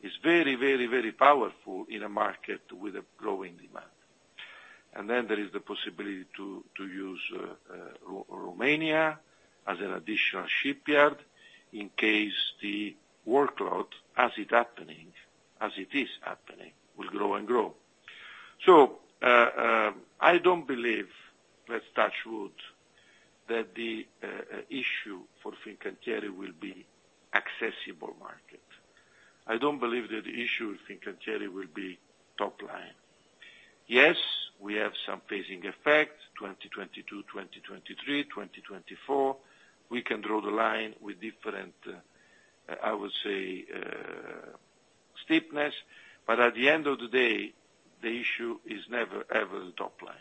is very powerful in a market with a growing demand. There is the possibility to use Romania as an additional shipyard in case the workload, as it is happening, will grow and grow. I don't believe, let's touch wood, that the issue for Fincantieri will be accessible market. I don't believe that the issue with Fincantieri will be top line. Yes, we have some phasing effect 2022, 2023, 2024. We can draw the line with different, I would say, steepness, but at the end of the day, the issue is never, ever the top line.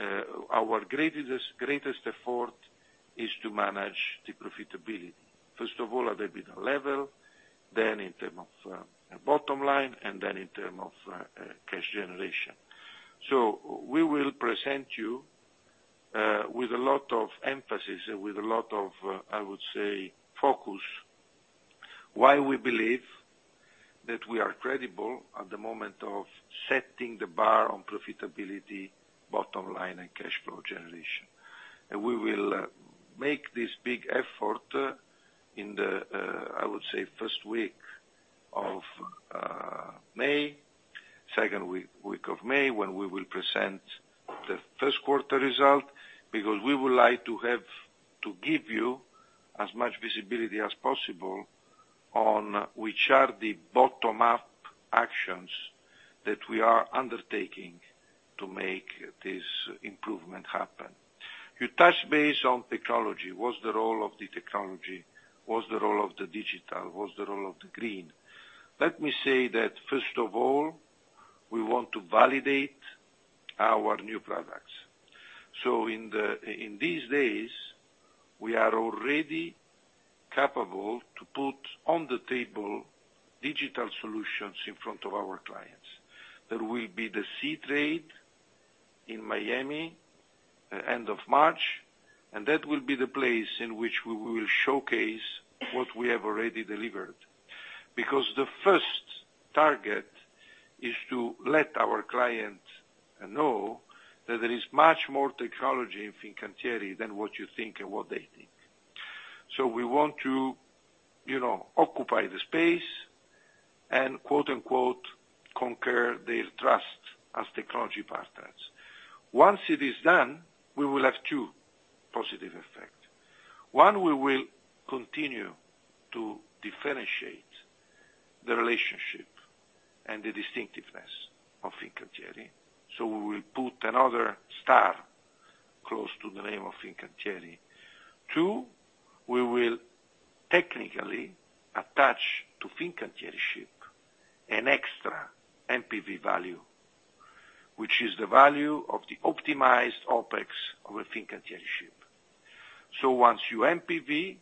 Our greatest effort is to manage the profitability, first of all, at EBITDA level, then in term of bottom line, and then in term of cash generation. We will present you with a lot of emphasis, with a lot of, I would say, focus, why we believe that we are credible at the moment of setting the bar on profitability, bottom line, and cash flow generation. We will make this big effort in the, I would say, first week of May, second week of May, when we will present the first quarter result, because we would like to give you as much visibility as possible on which are the bottom-up actions that we are undertaking to make this improvement happen. You touch base on technology. What's the role of the technology? What's the role of the digital? What's the role of the green? Let me say that, first of all, we want to validate our new products. In these days, we are already capable to put on the table digital solutions in front of our clients. There will be the Seatrade in Miami end of March, and that will be the place in which we will showcase what we have already delivered. The first target is to let our clients know that there is much more technology in Fincantieri than what you think and what they think. We want to, you know, occupy the space and quote-unquote, "conquer their trust as technology partners." Once it is done, we will have two positive effect. One, we will continue to differentiate the relationship and the distinctiveness of Fincantieri, we will put another star close to the name of Fincantieri. Two, we will technically attach to Fincantieri ship an extra NPV value, which is the value of the optimized OpEx of a Fincantieri ship. Once you NPV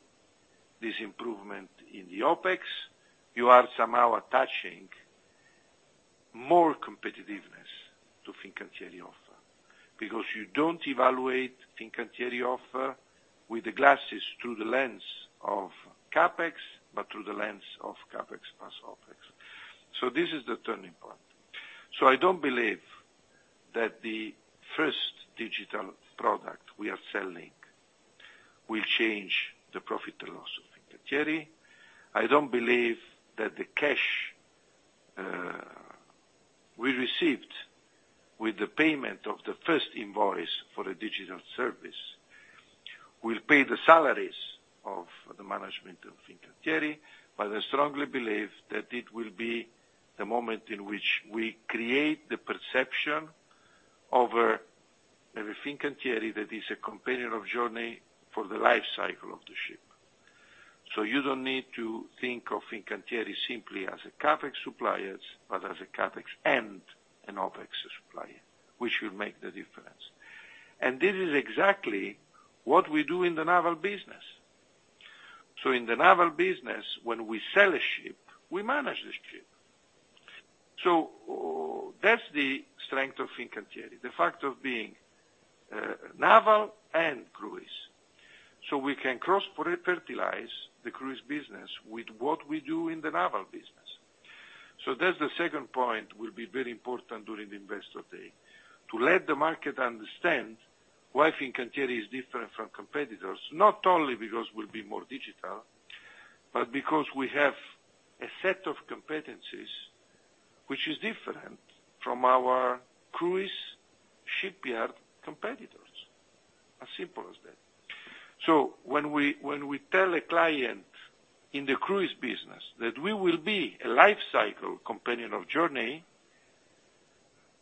this improvement in the OpEx, you are somehow attaching more competitiveness to Fincantieri offer. You don't evaluate Fincantieri offer with the glasses through the lens of CapEx, but through the lens of CapEx plus OpEx. This is the turning point. I don't believe that the first digital product we are selling will change the profit and loss of Fincantieri. I don't believe that the cash we received with the payment of the first invoice for a digital service will pay the salaries of the management of Fincantieri, I strongly believe that it will be the moment in which we create the perception of a Fincantieri that is a companion of journey for the life cycle of the ship. You don't need to think of Fincantieri simply as a CapEx suppliers, but as a CapEx and an OpEx supplier, which will make the difference. This is exactly what we do in the Naval business. In the Naval business, when we sell a ship, we manage this ship. That's the strength of Fincantieri, the fact of being Naval and Cruise. We can cross-pre-fertilize the Cruise business with what we do in the Naval business. That's the second point will be very important during the investor day, to let the market understand why Fincantieri is different from competitors, not only because we'll be more digital, but because we have a set of competencies which is different from our Cruise shipyard competitors. As simple as that. When we tell a client in the Cruise business that we will be a life cycle companion of journey,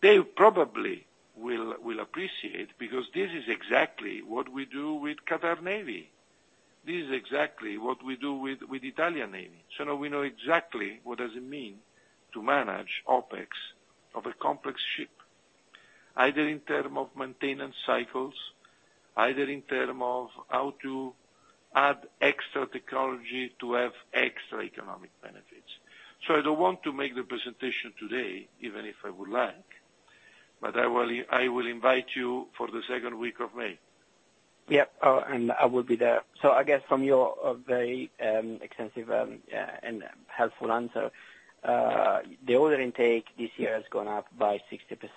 they probably will appreciate because this is exactly what we do with Qatar Navy. This is exactly what we do with Italian Navy. Now we know exactly what does it mean to manage OpEx of a complex ship, either in terms of maintenance cycles, either in terms of how to add extra technology to have extra economic benefits. I don't want to make the presentation today, even if I would like, but I will invite you for the second week of May. Yeah. I will be there. I guess from your very extensive and helpful answer, the order intake this year has gone up by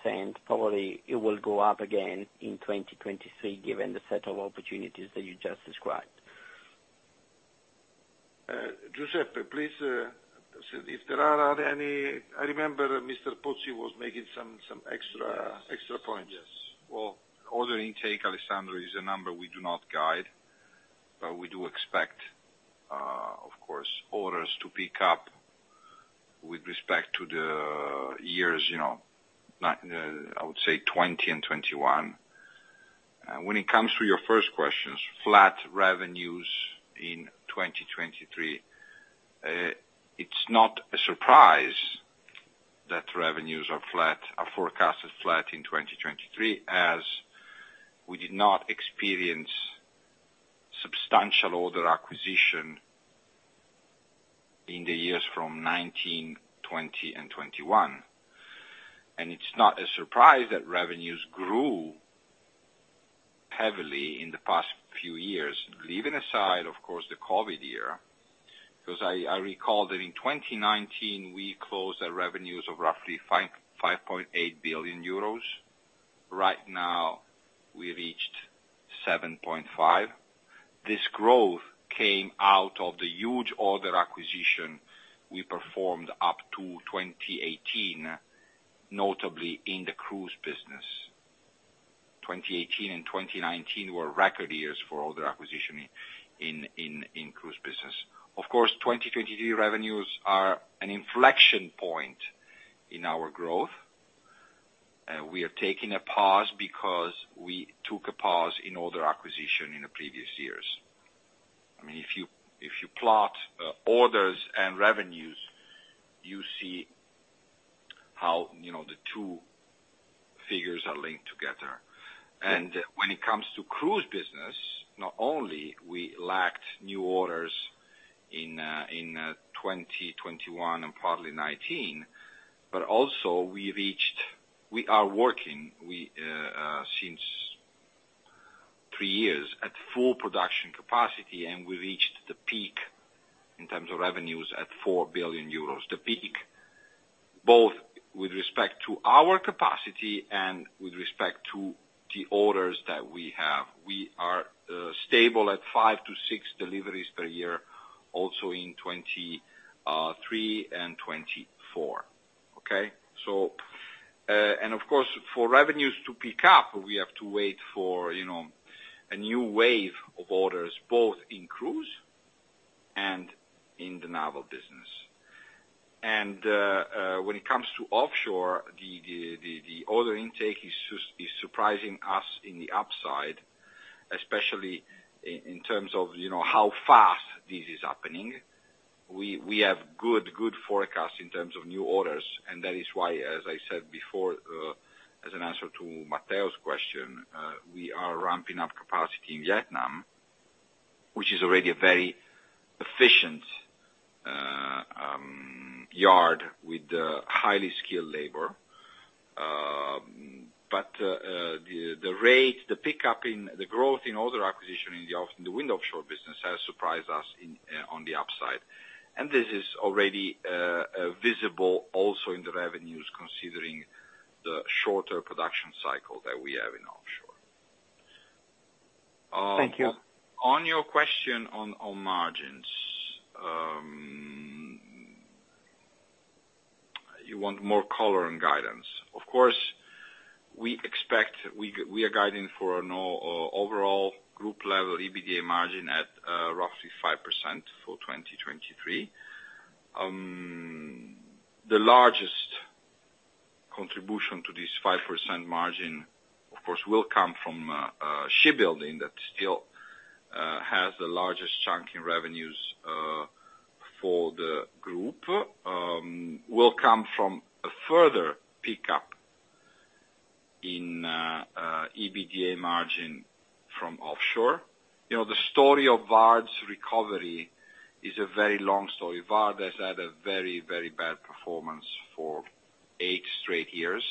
60%. Probably it will go up again in 2023, given the set of opportunities that you just described. Giuseppe, please, if there are any... I remember Mr. Pozzi was making some extra points. Yes. Well, order intake, Alessandro, is a number we do not guide, but we do expect, of course, orders to pick up with respect to the years, you know, I would say 20 and 21. When it comes to your first questions, flat revenues in 2023, it's not a surprise that revenues are forecasted flat in 2023, as we did not experience substantial order acquisition in the years from 19, 20 and 21. It's not a surprise that revenues grew heavily in the past few years, leaving aside, of course, the COVID year. I recall that in 2019, we closed our revenues of roughly 5.8 billion euros. Right now, we reached 7.5 billion. This growth came out of the huge order acquisition we performed up to 2018, notably in the Cruise business. 2018 and 2019 were record years for order acquisition in Cruise business. Of course, 2023 revenues are an inflection point in our growth. We are taking a pause because we took a pause in order acquisition in the previous years. I mean, if you plot orders and revenues, you see how, you know, the two figures are linked together. When it comes to Cruise business, not only we lacked new orders in 2021 and partly 2019, also we reached. We are working, since three years at full production capacity, and we reached the peak in terms of revenues at 4 billion euros. The peak, both with respect to our capacity and with respect to the orders that we have. We are stable at five to six deliveries per year, also in 2023 and 2024. Okay? Of course, for revenues to pick up, we have to wait for, you know, a new wave of orders, both in Cruise in the Naval business. When it comes to Offshore, the order intake is surprising us in the upside, especially in terms of, you know, how fast this is happening. We have good forecast in terms of new orders, that is why, as I said before, as an answer to Matteo's question, we are ramping up capacity in Vietnam, which is already a very efficient yard with highly skilled labor. The rate, the pickup in the growth in order acquisition in the wind Offshore business has surprised us in on the upside. This is already visible also in the revenues considering the shorter production cycle that we have in Offshore. Thank you. On your question on margins, you want more color and guidance. Of course, we are guiding for an overall group level EBITDA margin at roughly 5% for 2023. The largest contribution to this 5% margin, of course, will come from shipbuilding that still has the largest chunk in revenues for the group. Will come from a further pickup in EBITDA margin from Offshore. You know, the story of Vard's recovery is a very long story. Vard has had a very bad performance for eight straight years.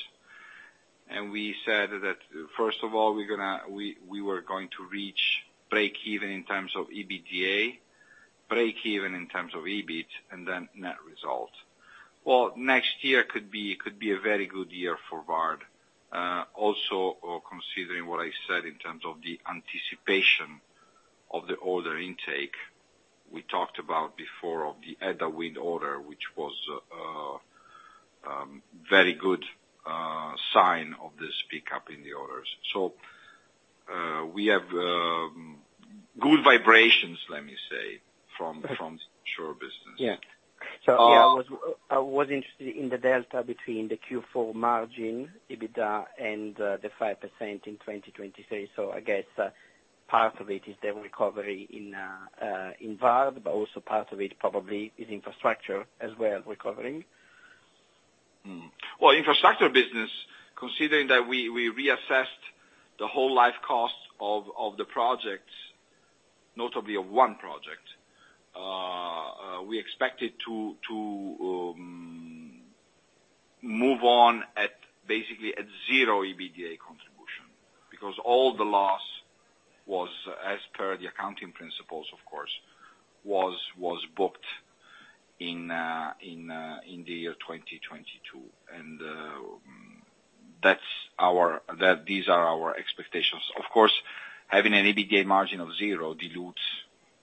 We said that, first of all, we were going to reach breakeven in terms of EBITDA, breakeven in terms of EBIT, and then net result. Well, next year could be a very good year for Vard. Also considering what I said in terms of the anticipation of the order intake, we talked about before of the Edda Wind order, which was very good sign of this pickup in the orders. We have good vibrations, let me say, from Offshore business. Yeah, I was, I was interested in the delta between the Q4 margin, EBITDA and the 5% in 2023. I guess, part of it is the recovery in Vard, but also part of it probably is infrastructure as well recovering. Well, infrastructure business, considering that we reassessed the whole life cost of the projects, notably of one project, we expect it to move on at basically at zero EBITDA contribution. Because all the loss was, as per the accounting principles, of course, was booked in the year 2022. These are our expectations. Of course, having an EBITDA margin of zero dilutes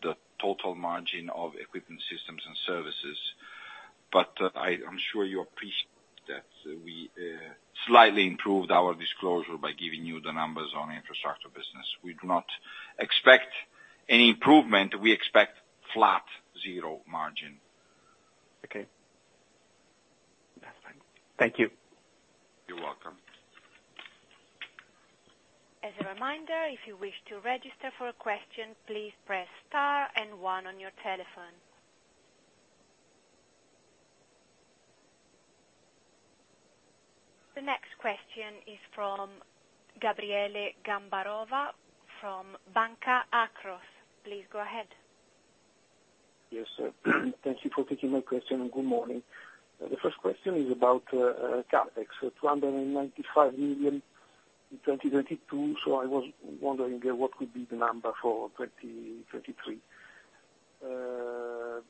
the total margin of equipment systems and services. I'm sure you appreciate that we slightly improved our disclosure by giving you the numbers on infrastructure business. We do not expect any improvement. We expect flat zero margin. Okay. That's fine. Thank you. You're welcome. As a reminder, if you wish to register for a question, please press star and one on your telephone. The next question is from Gabriele Gambarova, from Banca Akros. Please go ahead. Yes, sir. Thank you for taking my question. Good morning. The first question is about CapEx, 295 million in 2022. I was wondering what would be the number for 2023.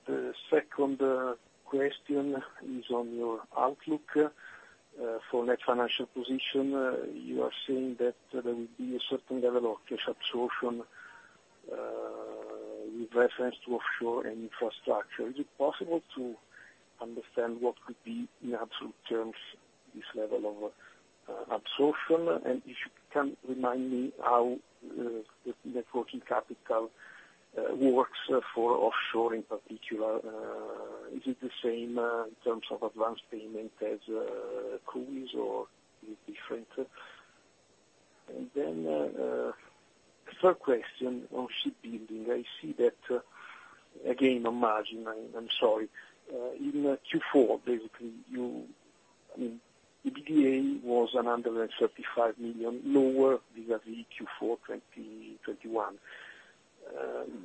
The second question is on your outlook for net financial position. You are saying that there will be a certain level of cash absorption with reference to Offshore and infrastructure. Is it possible to understand what could be in absolute terms this level of absorption? If you can remind me how the working capital works for Offshore in particular, is it the same in terms of advanced payment as Cruise or is it different? Then, third question on shipbuilding. I see that, again, on margin, I'm sorry. In Q4, basically. I mean, EBITDA was 135 million lower vis-a-vis Q4 2021.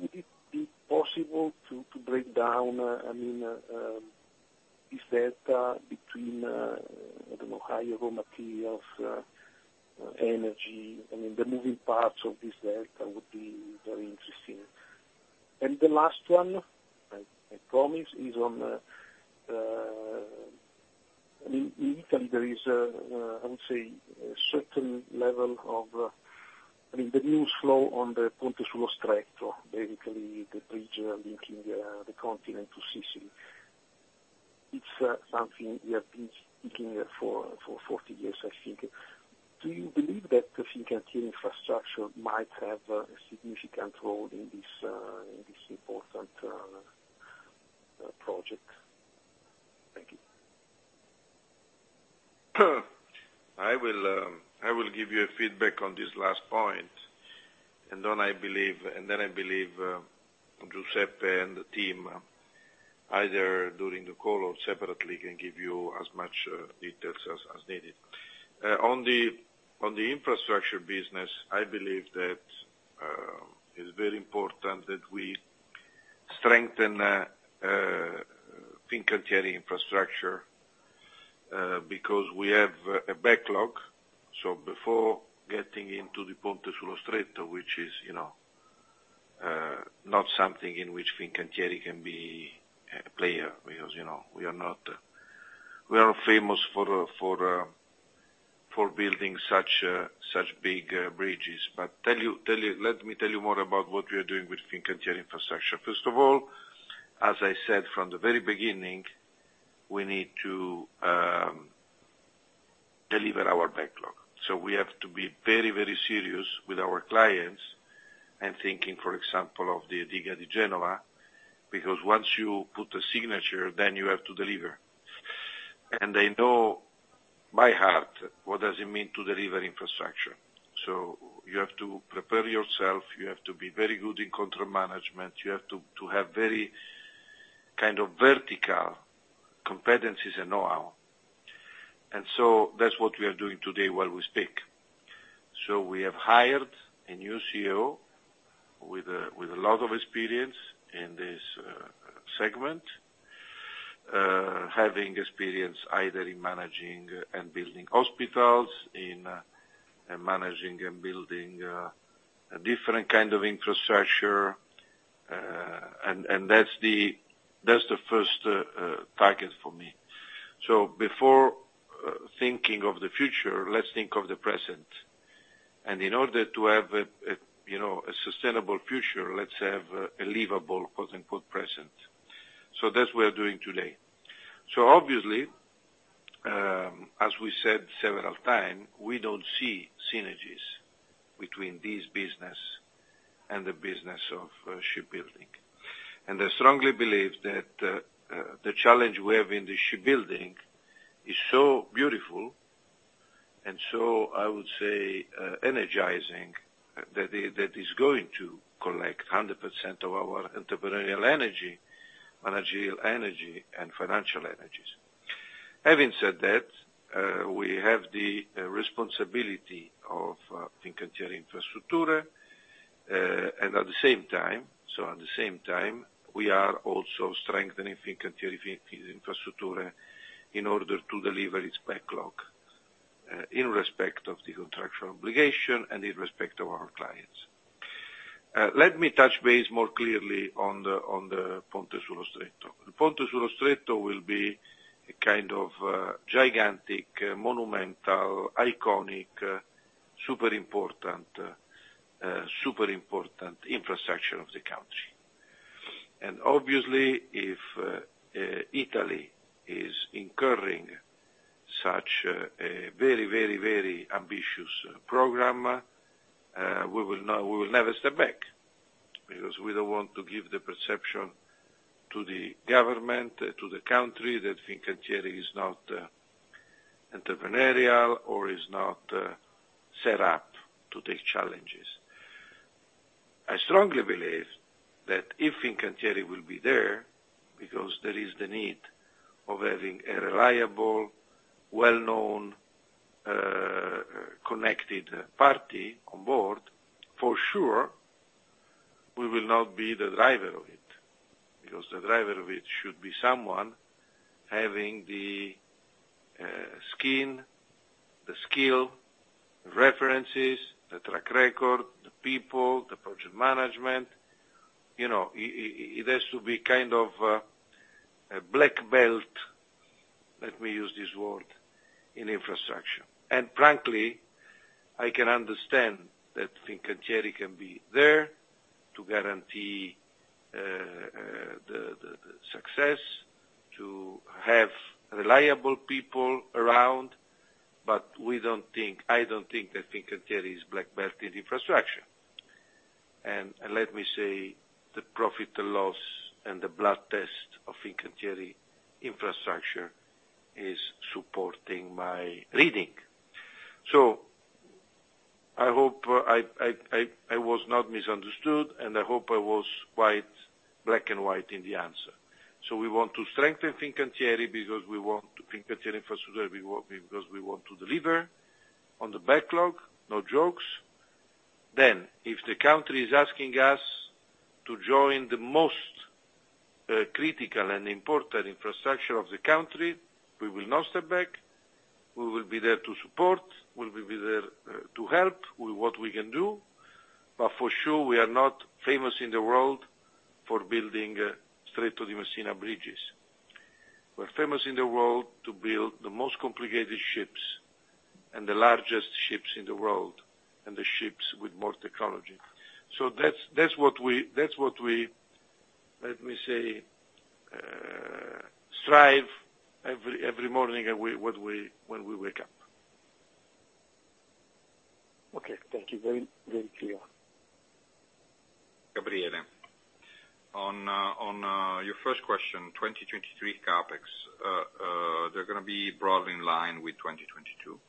Would it be possible to break down, I mean, this data between, I don't know, higher raw materials, energy, I mean, the moving parts of this data would be very interesting. The last one, I promise, is on, I mean, in Italy there is, I would say a certain level of, I mean, the news flow on the Ponte sullo Stretto, basically the bridge linking, the continent to Sicily. It's something we have been speaking for 40 years, I think. Do you believe that the Fincantieri Infrastructure might have a significant role in this important project? Thank you. I will, I will give you a feedback on this last point, and then I believe Giuseppe and the team, either during the call or separately, can give you as much details as needed. On the infrastructure business, I believe that it is very important that we strengthen Fincantieri Infrastructure, because we have a backlog. Before getting into the Ponte sullo Stretto, which is, you know, not something in which Fincantieri can be a player because, you know, we are not famous for building such big bridges. Tell you, let me tell you more about what we are doing with Fincantieri Infrastructure. First of all, as I said from the very beginning, we need to deliver our backlog. We have to be very, very serious with our clients, and thinking, for example, of the Autostrada di Genova, because once you put a signature, then you have to deliver. I know by heart what does it mean to deliver infrastructure. You have to prepare yourself, you have to be very good in control management. You have to have very kind of vertical competencies and know-how. That's what we are doing today while we speak. We have hired a new CEO with a lot of experience in this segment, having experience either in managing and building hospitals, in managing and building a different kind of infrastructure. And that's the, that's the first target for me. Before thinking of the future, let's think of the present. In order to have a, you know, a sustainable future, let's have a livable quote-unquote, "present." That's we are doing today. Obviously, as we said several time, we don't see synergies between this business and the business of shipbuilding. I strongly believe that the challenge we have in the shipbuilding is so beautiful and so, I would say, energizing, that that is going to collect 100% of our entrepreneurial energy, managerial energy and financial energies. Having said that, we have the responsibility of Fincantieri Infrastructure, and at the same time, so at the same time, we are also strengthening Fincantieri Infrastructure in order to deliver its backlog, in respect of the contractual obligation and in respect of our clients. Let me touch base more clearly on the Ponte sullo Stretto. Ponte sullo Stretto will be a kind of gigantic, monumental, iconic, super important infrastructure of the country. Obviously, if Italy is incurring such a very ambitious program, we will never step back, because we don't want to give the perception to the government, to the country that Fincantieri is not entrepreneurial or is not set up to take challenges. I strongly believe that if Fincantieri will be there, because there is the need of having a reliable, well-known, connected party on board, for sure we will not be the driver of it. The driver of it should be someone having the skill, references, the track record, the people, the project management. You know, it has to be kind of a black belt, let me use this word, in infrastructure. Frankly, I can understand that Fincantieri can be there to guarantee the success to have reliable people around, but I don't think that Fincantieri is black belt in infrastructure. Let me say the profit loss and the blood test of Fincantieri Infrastructure is supporting my reading. I hope I was not misunderstood, and I hope I was quite black and white in the answer. We want to strengthen Fincantieri because we want to Fincantieri Infrastructure, because we want to deliver on the backlog. No jokes. If the country is asking us to join the most critical and important infrastructure of the country, we will not step back. We will be there to support. We will be there to help with what we can do. For sure, we are not famous in the world for building a Strait of Messina Bridges. We're famous in the world to build the most complicated ships. The largest ships in the world, and the ships with more technology. That's what we, let me say, strive every morning when we wake up. Okay. Thank you. Very, very clear. Gabriele, on, uh, your first question, 2023 CapEx, they're gonna be broadly in line with 2022.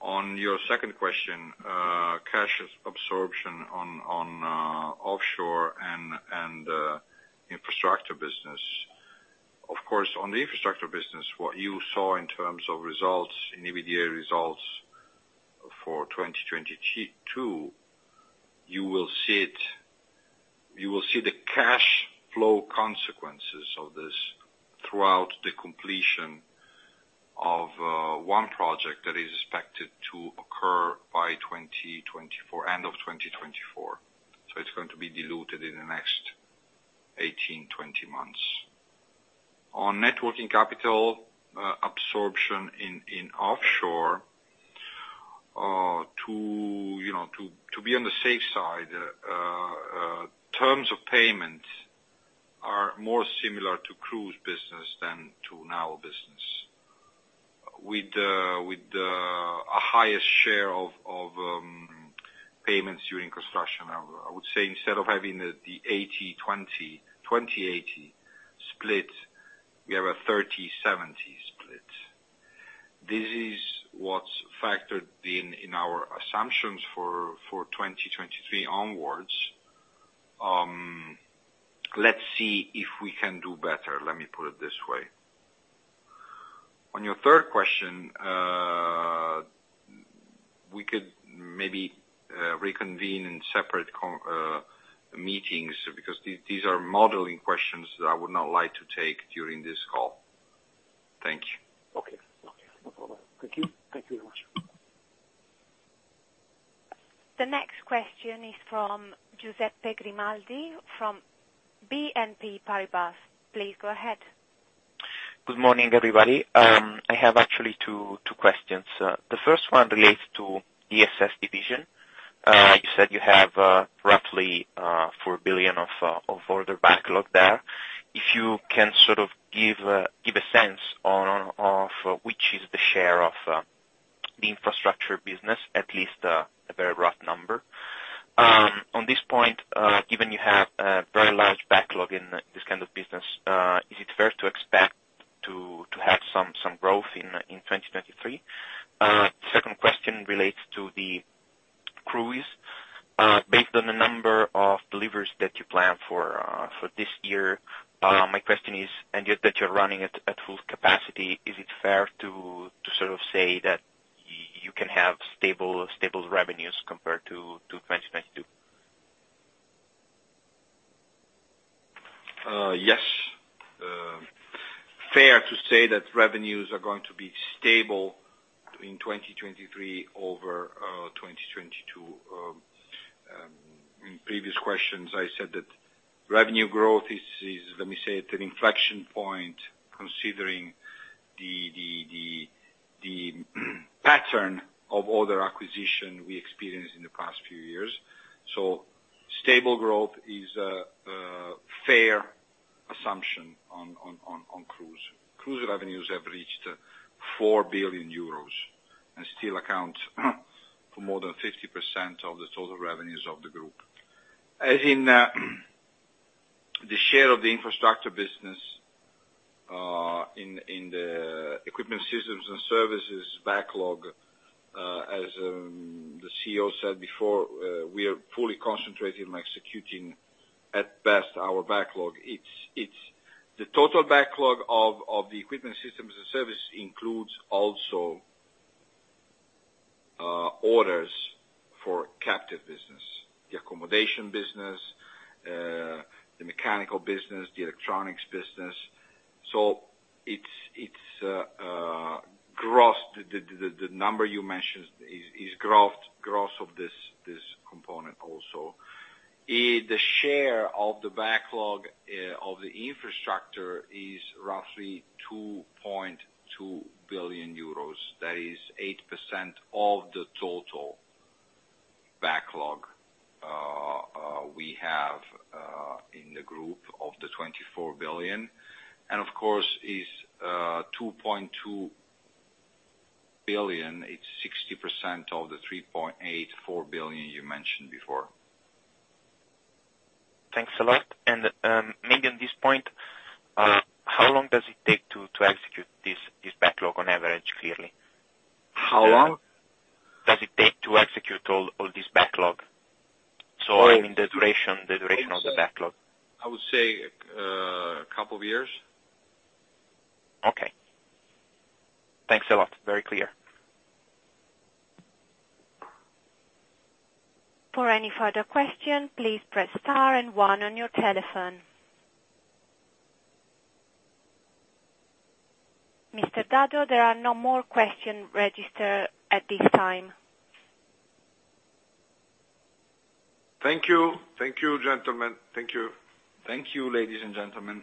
On your second question, cash absorption on, Offshore and, uh, infrastructure business. Of course, on the infrastructure business, what you saw in terms of results, in EBITDA results for 2022, you will see the cash flow consequences of this throughout the completion of one project that is expected to occur by end of 2024. It's going to be diluted in the next 18, 20 months. On net working capital absorption in Offshore, to, you know, to be on the safe side, terms of payment are more similar to Cruise business than to now business. With a higher share of payments during construction. I would say instead of having the 80-20, 20-80 split, we have a 30-70 split. This is what's factored in our assumptions for 2023 onwards. Let's see if we can do better, let me put it this way. On your third question, we could maybe reconvene in separate meetings because these are modeling questions that I would not like to take during this call. Thank you. Okay. Okay. No problem. Thank you. Thank you very much. The next question is from Giuseppe Grimaldi, from BNP Paribas. Please go ahead. Good morning, everybody. I have actually two questions. The first one relates to ESS division. You said you have roughly 4 billion of order backlog there. If you can sort of give a sense of which is the share of the Infrastructure business, at least a very rough number. On this point, given you have a very large backlog in this kind of business, is it fair to expect to have some growth in 2023? Second question relates to the cruise. Based on the number of deliveries that you plan for this year, my question is, and yet that you're running at full capacity, is it fair to sort of say that you can have stable revenues compared to 2022? Yes. Fair to say that revenues are going to be stable between 2023 over 2022. In previous questions, I said that revenue growth is let me say at an inflection point, considering the pattern of other acquisition we experienced in the past few years. Stable growth is a fair assumption on Cruise. Cruise revenues have reached 4 billion euros, and still account for more than 50% of the total revenues of the group. As in the share of the infrastructure business in the equipment systems and services backlog, as the CEO said before, we are fully concentrated on executing at best our backlog. It's the total backlog of the equipment systems and service includes also orders for captive business. The accommodation business, the mechanical business, the electronics business. It's gross. The number you mentioned is gross of this component also. The share of the backlog of the infrastructure is roughly 2.2 billion euros. That is 8% of the total backlog we have in the group of the 24 billion. Of course, 2.2 billion, it's 60% of the 3.84 billion you mentioned before. Thanks a lot. Maybe on this point, how long does it take to execute this backlog on average, clearly? How long? Does it take to execute all this backlog? I mean, the duration of the backlog. I would say, a couple of years. Okay. Thanks a lot. Very clear. For any further question, please press star and one on your telephone. Mr. Dado, there are no more question registered at this time. Thank you. Thank you, gentlemen. Thank you. Thank you, ladies and gentlemen.